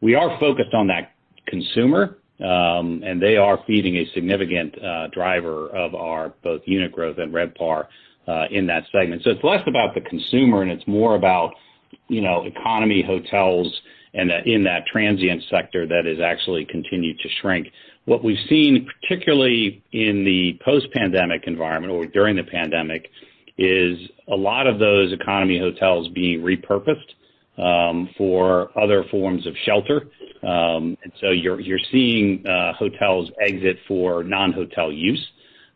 We are focused on that consumer, and they are feeding a significant driver of our both unit growth and RevPAR in that segment. It's less about the consumer, and it's more about, you know, economy hotels and in that transient sector that has actually continued to shrink. What we've seen, particularly in the post-pandemic environment or during the pandemic, is a lot of those economy hotels being repurposed for other forms of shelter. You're seeing hotels exit for non-hotel use.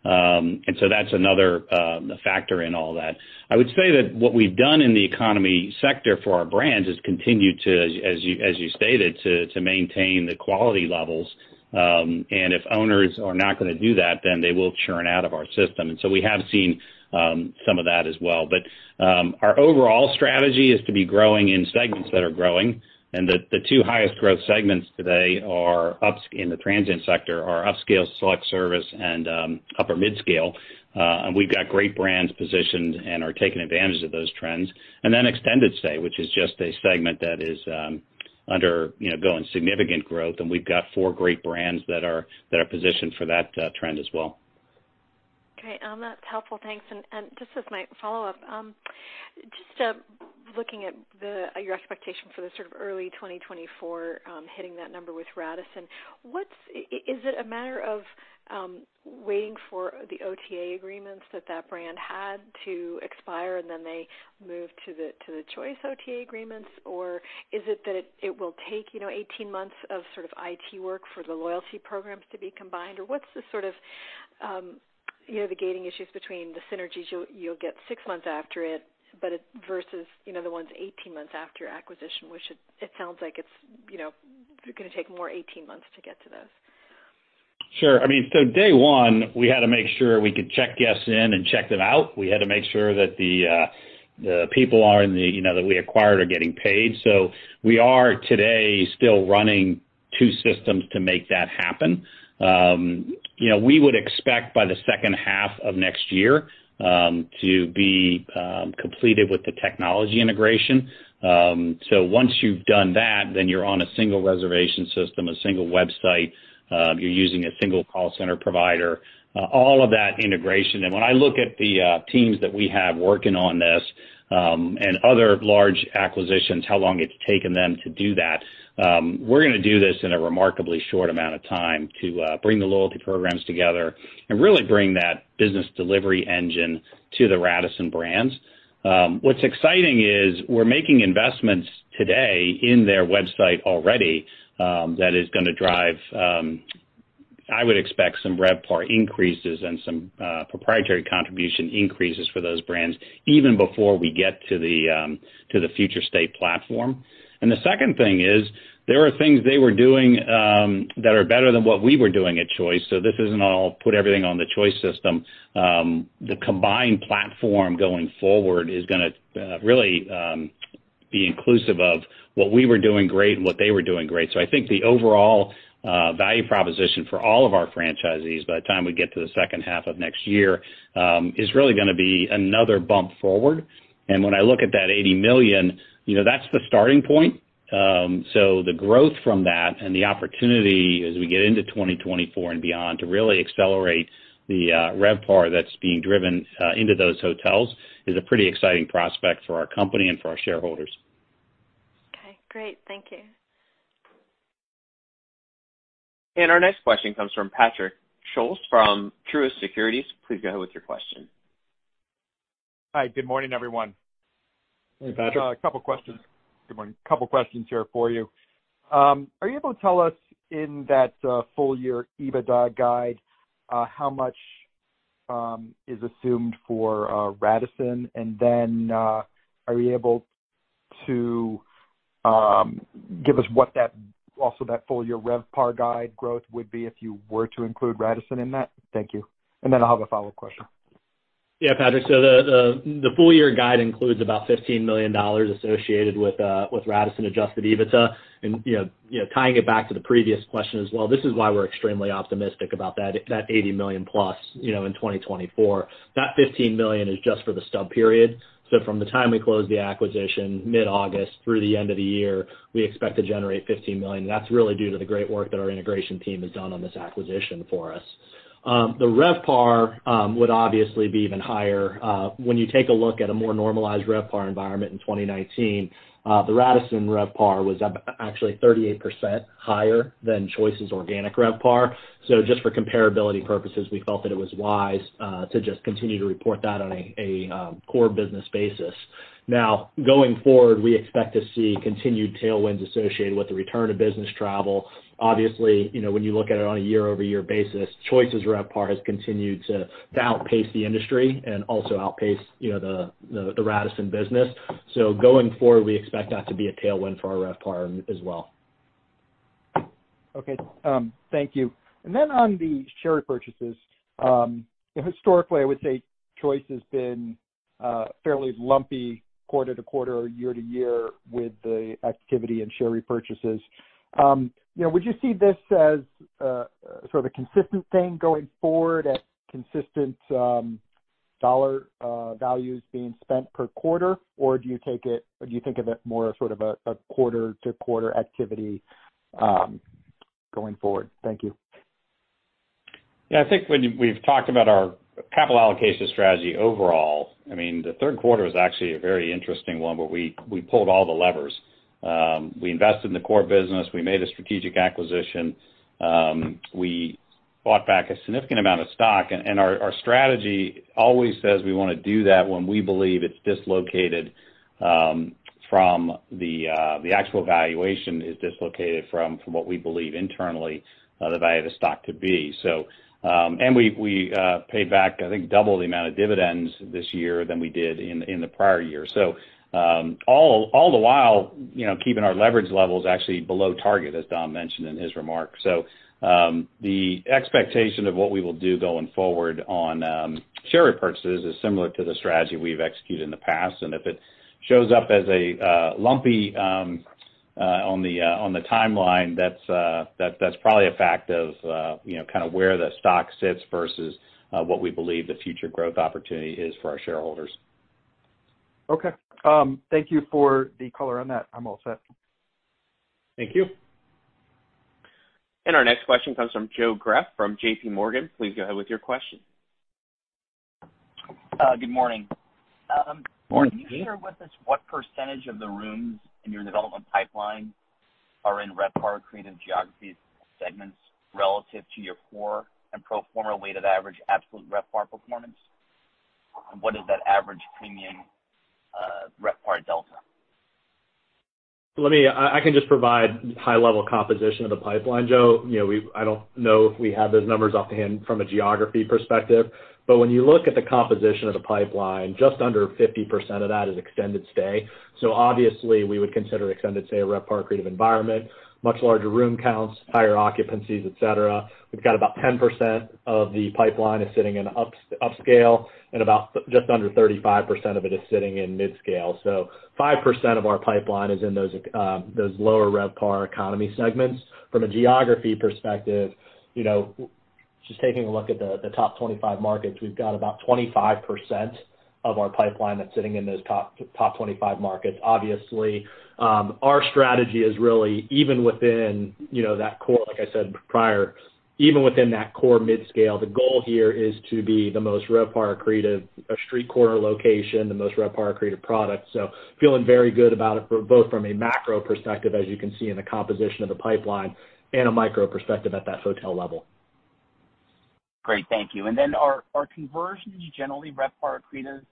That's another factor in all that. I would say that what we've done in the economy sector for our brands is continue to, as you stated, to maintain the quality levels. If owners are not gonna do that, then they will churn out of our system. We have seen some of that as well. Our overall strategy is to be growing in segments that are growing, and the two highest growth segments today are in the transient sector, upscale select service and upper mid-scale. We've got great brands positioned and are taking advantage of those trends. Extended stay, which is just a segment that is undergoing, you know, significant growth, and we've got four great brands that are positioned for that trend as well. Okay. That's helpful. Thanks. Just as my follow-up, looking at your expectation for the sort of early 2024, hitting that number with Radisson, what's? Is it a matter of waiting for the OTA agreements that brand had to expire, and then they move to the Choice OTA agreements? Or is it that it will take, you know, 18 months of sort of IT work for the loyalty programs to be combined? Or what's the sort of, you know, the gating issues between the synergies you'll get 6 months after it, but versus, you know, the ones 18 months after acquisition, which it sounds like it's, you know, gonna take more 18 months to get to those. Sure. I mean, day one, we had to make sure we could check guests in and check them out. We had to make sure that the people are in the, you know, that we acquired are getting paid. We are today still running two systems to make that happen. You know, we would expect by the H2 of next year to be completed with the technology integration. Once you've done that, then you're on a single reservation system, a single website, you're using a single call center provider, all of that integration. When I look at the teams that we have working on this and other large acquisitions, how long it's taken them to do that, we're gonna do this in a remarkably short amount of time to bring the loyalty programs together and really bring that business delivery engine to the Radisson brands. What's exciting is we're making investments today in their website already that is gonna drive I would expect some RevPAR increases and some proprietary contribution increases for those brands even before we get to the future state platform. The second thing is, there are things they were doing that are better than what we were doing at Choice. This isn't all put everything on the Choice system. The combined platform going forward is gonna really be inclusive of what we were doing great and what they were doing great. I think the overall value proposition for all of our franchisees by the time we get to the H2 of next year is really gonna be another bump forward. When I look at that $80 million, you know, that's the starting point. The growth from that and the opportunity as we get into 2024 and beyond to really accelerate the RevPAR that's being driven into those hotels is a pretty exciting prospect for our company and for our shareholders. Okay, great. Thank you. Our next question comes from Patrick Scholes from Truist Securities. Please go ahead with your question. Hi, good morning, everyone. Hey, Patrick. A couple questions. Good morning. Couple questions here for you. Are you able to tell us in that full year EBITDA guide how much is assumed for Radisson? Are you able to give us also that full year RevPAR guide growth would be if you were to include Radisson in that? Thank you. I'll have a follow-up question. Yeah, Patrick. The full year guide includes about $15 million associated with Radisson adjusted EBITDA. You know, tying it back to the previous question as well, this is why we're extremely optimistic about that $80 million plus, you know, in 2024. That $15 million is just for the stub period. From the time we close the acquisition mid-August through the end of the year, we expect to generate $15 million. That's really due to the great work that our integration team has done on this acquisition for us. The RevPAR would obviously be even higher. When you take a look at a more normalized RevPAR environment in 2019, the Radisson RevPAR was up, actually 38% higher than Choice's organic RevPAR. Just for comparability purposes, we felt that it was wise to just continue to report that on a core business basis. Now, going forward, we expect to see continued tailwinds associated with the return of business travel. Obviously, you know, when you look at it on a year-over-year basis, Choice's RevPAR has continued to outpace the industry and also outpace, you know, the Radisson business. Going forward, we expect that to be a tailwind for our RevPAR as well. Okay, thank you. Then on the share repurchases, historically, I would say Choice has been fairly lumpy quarter to quarter or year to year with the activity and share repurchases. You know, would you see this as sort of a consistent thing going forward at consistent dollar values being spent per quarter? Or do you think of it more sort of a quarter-to-quarter activity going forward? Thank you. Yeah, I think when we've talked about our capital allocation strategy overall, I mean, the Q3 was actually a very interesting one, but we pulled all the levers. We invested in the core business. We made a strategic acquisition. We bought back a significant amount of stock. Our strategy always says we wanna do that when we believe it's dislocated from the actual valuation is dislocated from what we believe internally the value of the stock to be. We paid back, I think, double the amount of dividends this year than we did in the prior year. All the while, you know, keeping our leverage levels actually below target, as Don mentioned in his remarks. The expectation of what we will do going forward on share repurchases is similar to the strategy we've executed in the past. If it shows up as a lumpy on the timeline, that's probably a fact of you know kind of where the stock sits versus what we believe the future growth opportunity is for our shareholders. Okay. Thank you for the color on that. I'm all set. Thank you. Our next question comes from Joe Greff from JPMorgan. Please go ahead with your question. Good morning. Morning, Joe. Can you share with us what percentage of the rooms in your development pipeline are in RevPAR accretive geographies segments relative to your core and pro forma weighted average absolute RevPAR performance? What is that average premium RevPAR delta? I can just provide high level composition of the pipeline, Joe. You know, I don't know if we have those numbers offhand from a geography perspective, but when you look at the composition of the pipeline, just under 50% of that is extended stay. Obviously we would consider extended stay a RevPAR creative environment, much larger room counts, higher occupancies, et cetera. We've got about 10% of the pipeline is sitting in upscale, and about just under 35% of it is sitting in midscale. 5% of our pipeline is in those lower RevPAR economy segments. From a geography perspective, you know, just taking a look at the top twenty-five markets, we've got about 25% of our pipeline that's sitting in those top twenty-five markets. Obviously, our strategy is really even within, you know, that core, like I said prior, even within that core midscale, the goal here is to be the most RevPAR creative street corner location, the most RevPAR creative product. Feeling very good about it for both from a macro perspective, as you can see in the composition of the pipeline, and a micro perspective at that hotel level. Great. Thank you. Are conversions generally RevPAR accretive?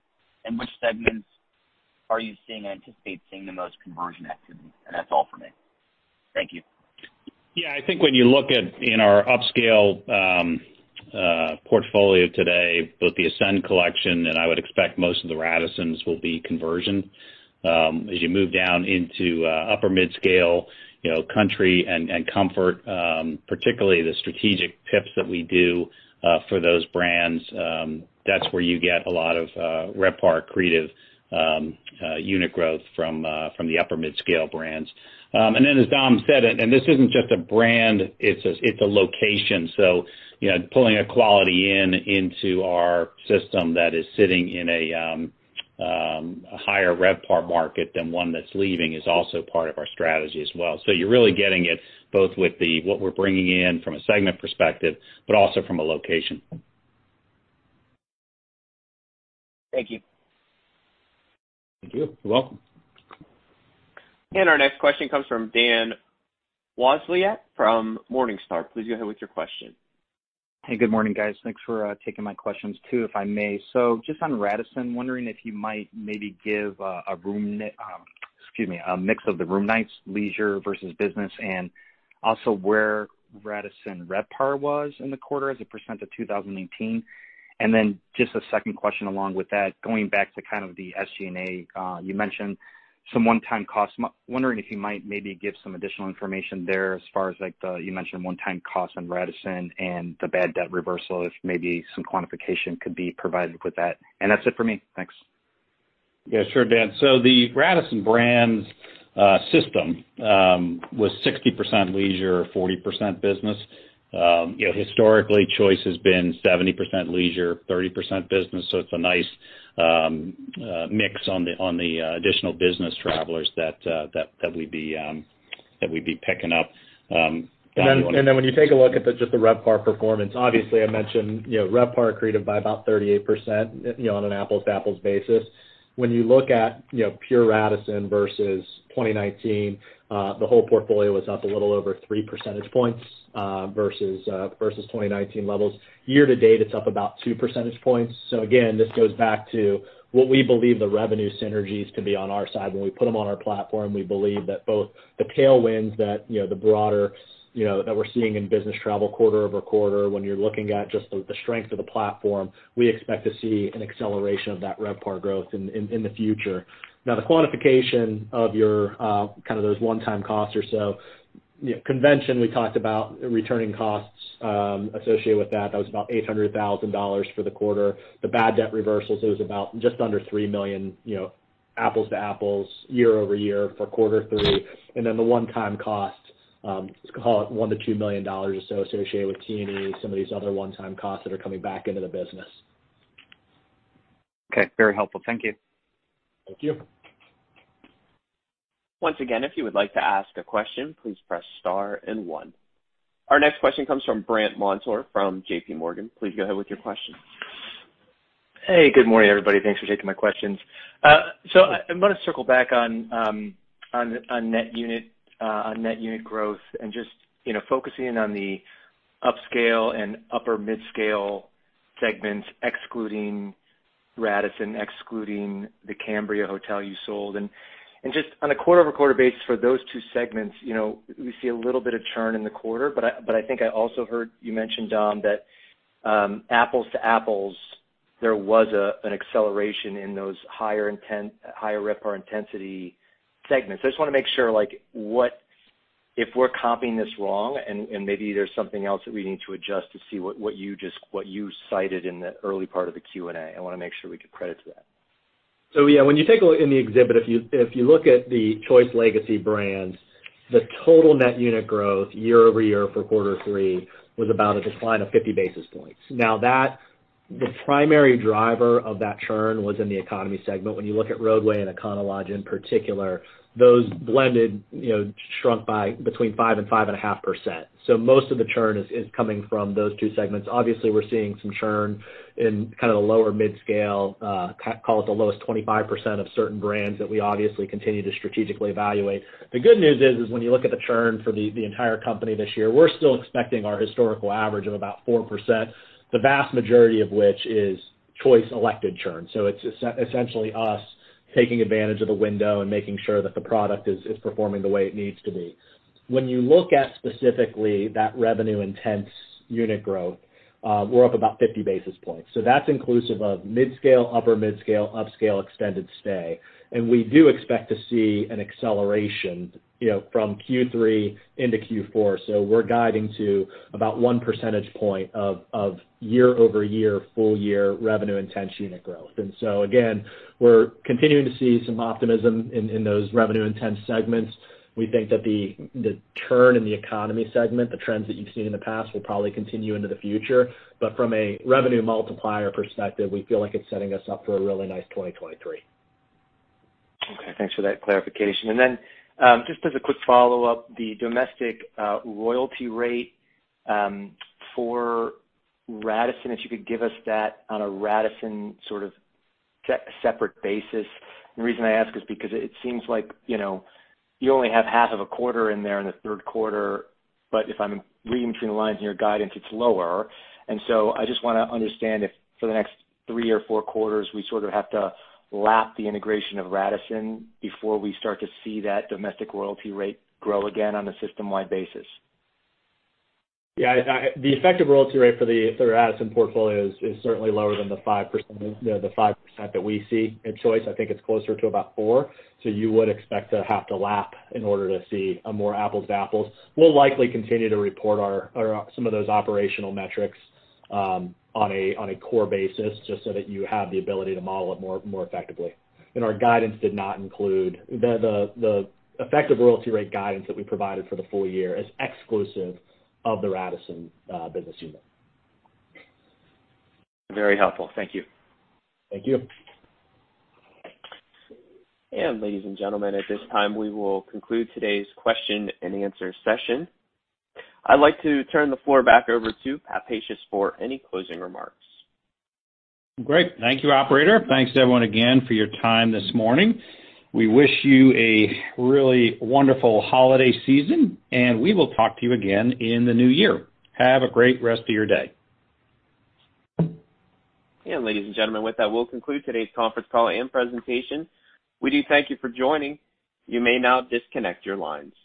In which segments are you seeing, anticipate seeing the most conversion activity? That's all for me. Thank you. Yeah. I think when you look at our upscale portfolio today, both the Ascend collection and I would expect most of the Radissons will be conversion. As you move down into upper midscale, you know, Country and Comfort, particularly the strategic PIPs that we do for those brands, that's where you get a lot of RevPAR accretive unit growth from the upper midscale brands. Then as Dom said, this isn't just a brand, it's a location. You know, pulling a Quality Inn into our system that is sitting in a higher RevPAR market than one that's leaving is also part of our strategy as well. You're really getting it both with what we're bringing in from a segment perspective, but also from a location. Thank you. Thank you. You're welcome. Our next question comes from Dan Wasiolek from Morningstar. Please go ahead with your question. Hey, good morning, guys. Thanks for taking my questions too, if I may. Just on Radisson, wondering if you might maybe give a mix of the room nights, leisure versus business, and also where Radisson RevPAR was in the quarter as a % of 2018. Then just a second question along with that, going back to kind of the SG&A, you mentioned some one-time costs. Wondering if you might maybe give some additional information there as far as like the, you mentioned one-time costs on Radisson and the bad debt reversal, if maybe some quantification could be provided with that. That's it for me. Thanks. Yeah, sure, Dan. The Radisson brands system was 60% leisure, 40% business. You know, historically, Choice has been 70% leisure, 30% business, so it's a nice mix on the additional business travelers that we'd be picking up going- When you take a look at the, just the RevPAR performance, obviously I mentioned, you know, RevPAR accretive by about 38%, you know, on an apples-to-apples basis. When you look at, you know, pure Radisson versus 2019, the whole portfolio was up a little over 3 percentage points versus 2019 levels. Year to date, it's up about 2 percentage points. Again, this goes back to what we believe the revenue synergies to be on our side. When we put them on our platform, we believe that both the tailwinds that, you know, the broader, you know, that we're seeing in business travel quarter-over-quarter, when you're looking at just the strength of the platform, we expect to see an acceleration of that RevPAR growth in the future. Now, the quantification of your, kind of those one-time costs or so, you know, convention, we talked about returning costs, associated with that. That was about $800,000 for the quarter. The bad debt reversals, it was about just under $3 million, you know, apples to apples, year-over-year for quarter three. Then the one-time cost, let's call it $1 million-$2 million or so associated with T&E, some of these other one-time costs that are coming back into the business. Okay. Very helpful. Thank you. Thank you. Once again, if you would like to ask a question, please press star and one. Our next question comes from Brandt Montour from JPMorgan. Please go ahead with your question. Hey, good morning, everybody. Thanks for taking my questions. I wanna circle back on net unit growth and just, you know, focusing on the upscale and upper midscale segments excluding Radisson, excluding the Cambria hotel you sold. Just on a quarter-over-quarter basis for those two segments, you know, we see a little bit of churn in the quarter. I think I also heard you mention, Dom, that apples to apples, there was an acceleration in those higher intent, higher RevPAR intensity segments. I just wanna make sure like what if we're copying this wrong and maybe there's something else that we need to adjust to see what you cited in the early part of the Q&A. I wanna make sure we give credit to that. When you take a look in the exhibit, if you look at the Choice legacy brands, the total net unit growth year-over-year for quarter three was about a decline of 50 basis points. Now the primary driver of that churn was in the economy segment. When you look at Rodeway and Econo Lodge in particular, those blended, you know, shrunk by between 5% and 5.5%. Most of the churn is coming from those two segments. Obviously, we're seeing some churn in kind of the lower mid-scale, call it the lowest 25% of certain brands that we obviously continue to strategically evaluate. The good news is when you look at the churn for the entire company this year, we're still expecting our historical average of about 4%, the vast majority of which is Choice-elected churn. It's essentially us taking advantage of the window and making sure that the product is performing the way it needs to be. When you look at specifically that revenue-intensive unit growth, we're up about 50 basis points. That's inclusive of mid-scale, upper mid-scale, upscale extended stay. We do expect to see an acceleration, you know, from Q3 into Q4. We're guiding to about 1 percentage point of year-over-year full year revenue-intensive unit growth. Again, we're continuing to see some optimism in those revenue-intensive segments. We think that the churn in the economy segment, the trends that you've seen in the past will probably continue into the future. From a revenue multiplier perspective, we feel like it's setting us up for a really nice 2023. Okay, thanks for that clarification. Just as a quick follow-up, the domestic royalty rate for Radisson, if you could give us that on a Radisson sort of separate basis. The reason I ask is because it seems like, you know, you only have half of a quarter in there in the Q3, but if I'm reading between the lines in your guidance, it's lower. I just wanna understand if for the next three or four quarters, we sort of have to lap the integration of Radisson before we start to see that domestic royalty rate grow again on a system-wide basis. Yeah. The effective royalty rate for the Radisson portfolio is certainly lower than the 5%, you know, the 5% that we see in Choice. I think it's closer to about 4%. So you would expect to have to lap in order to see a more apples to apples. We'll likely continue to report or some of those operational metrics on a core basis, just so that you have the ability to model it more effectively. Our guidance did not include the effective royalty rate. Guidance that we provided for the full year is exclusive of the Radisson business unit. Very helpful. Thank you. Thank you. Ladies and gentlemen, at this time, we will conclude today's question and answer session. I'd like to turn the floor back over to Pat Pacious for any closing remarks. Great. Thank you, operator. Thanks everyone again for your time this morning. We wish you a really wonderful holiday season, and we will talk to you again in the new year. Have a great rest of your day. Ladies and gentlemen, with that, we'll conclude today's conference call and presentation. We do thank you for joining. You may now disconnect your lines.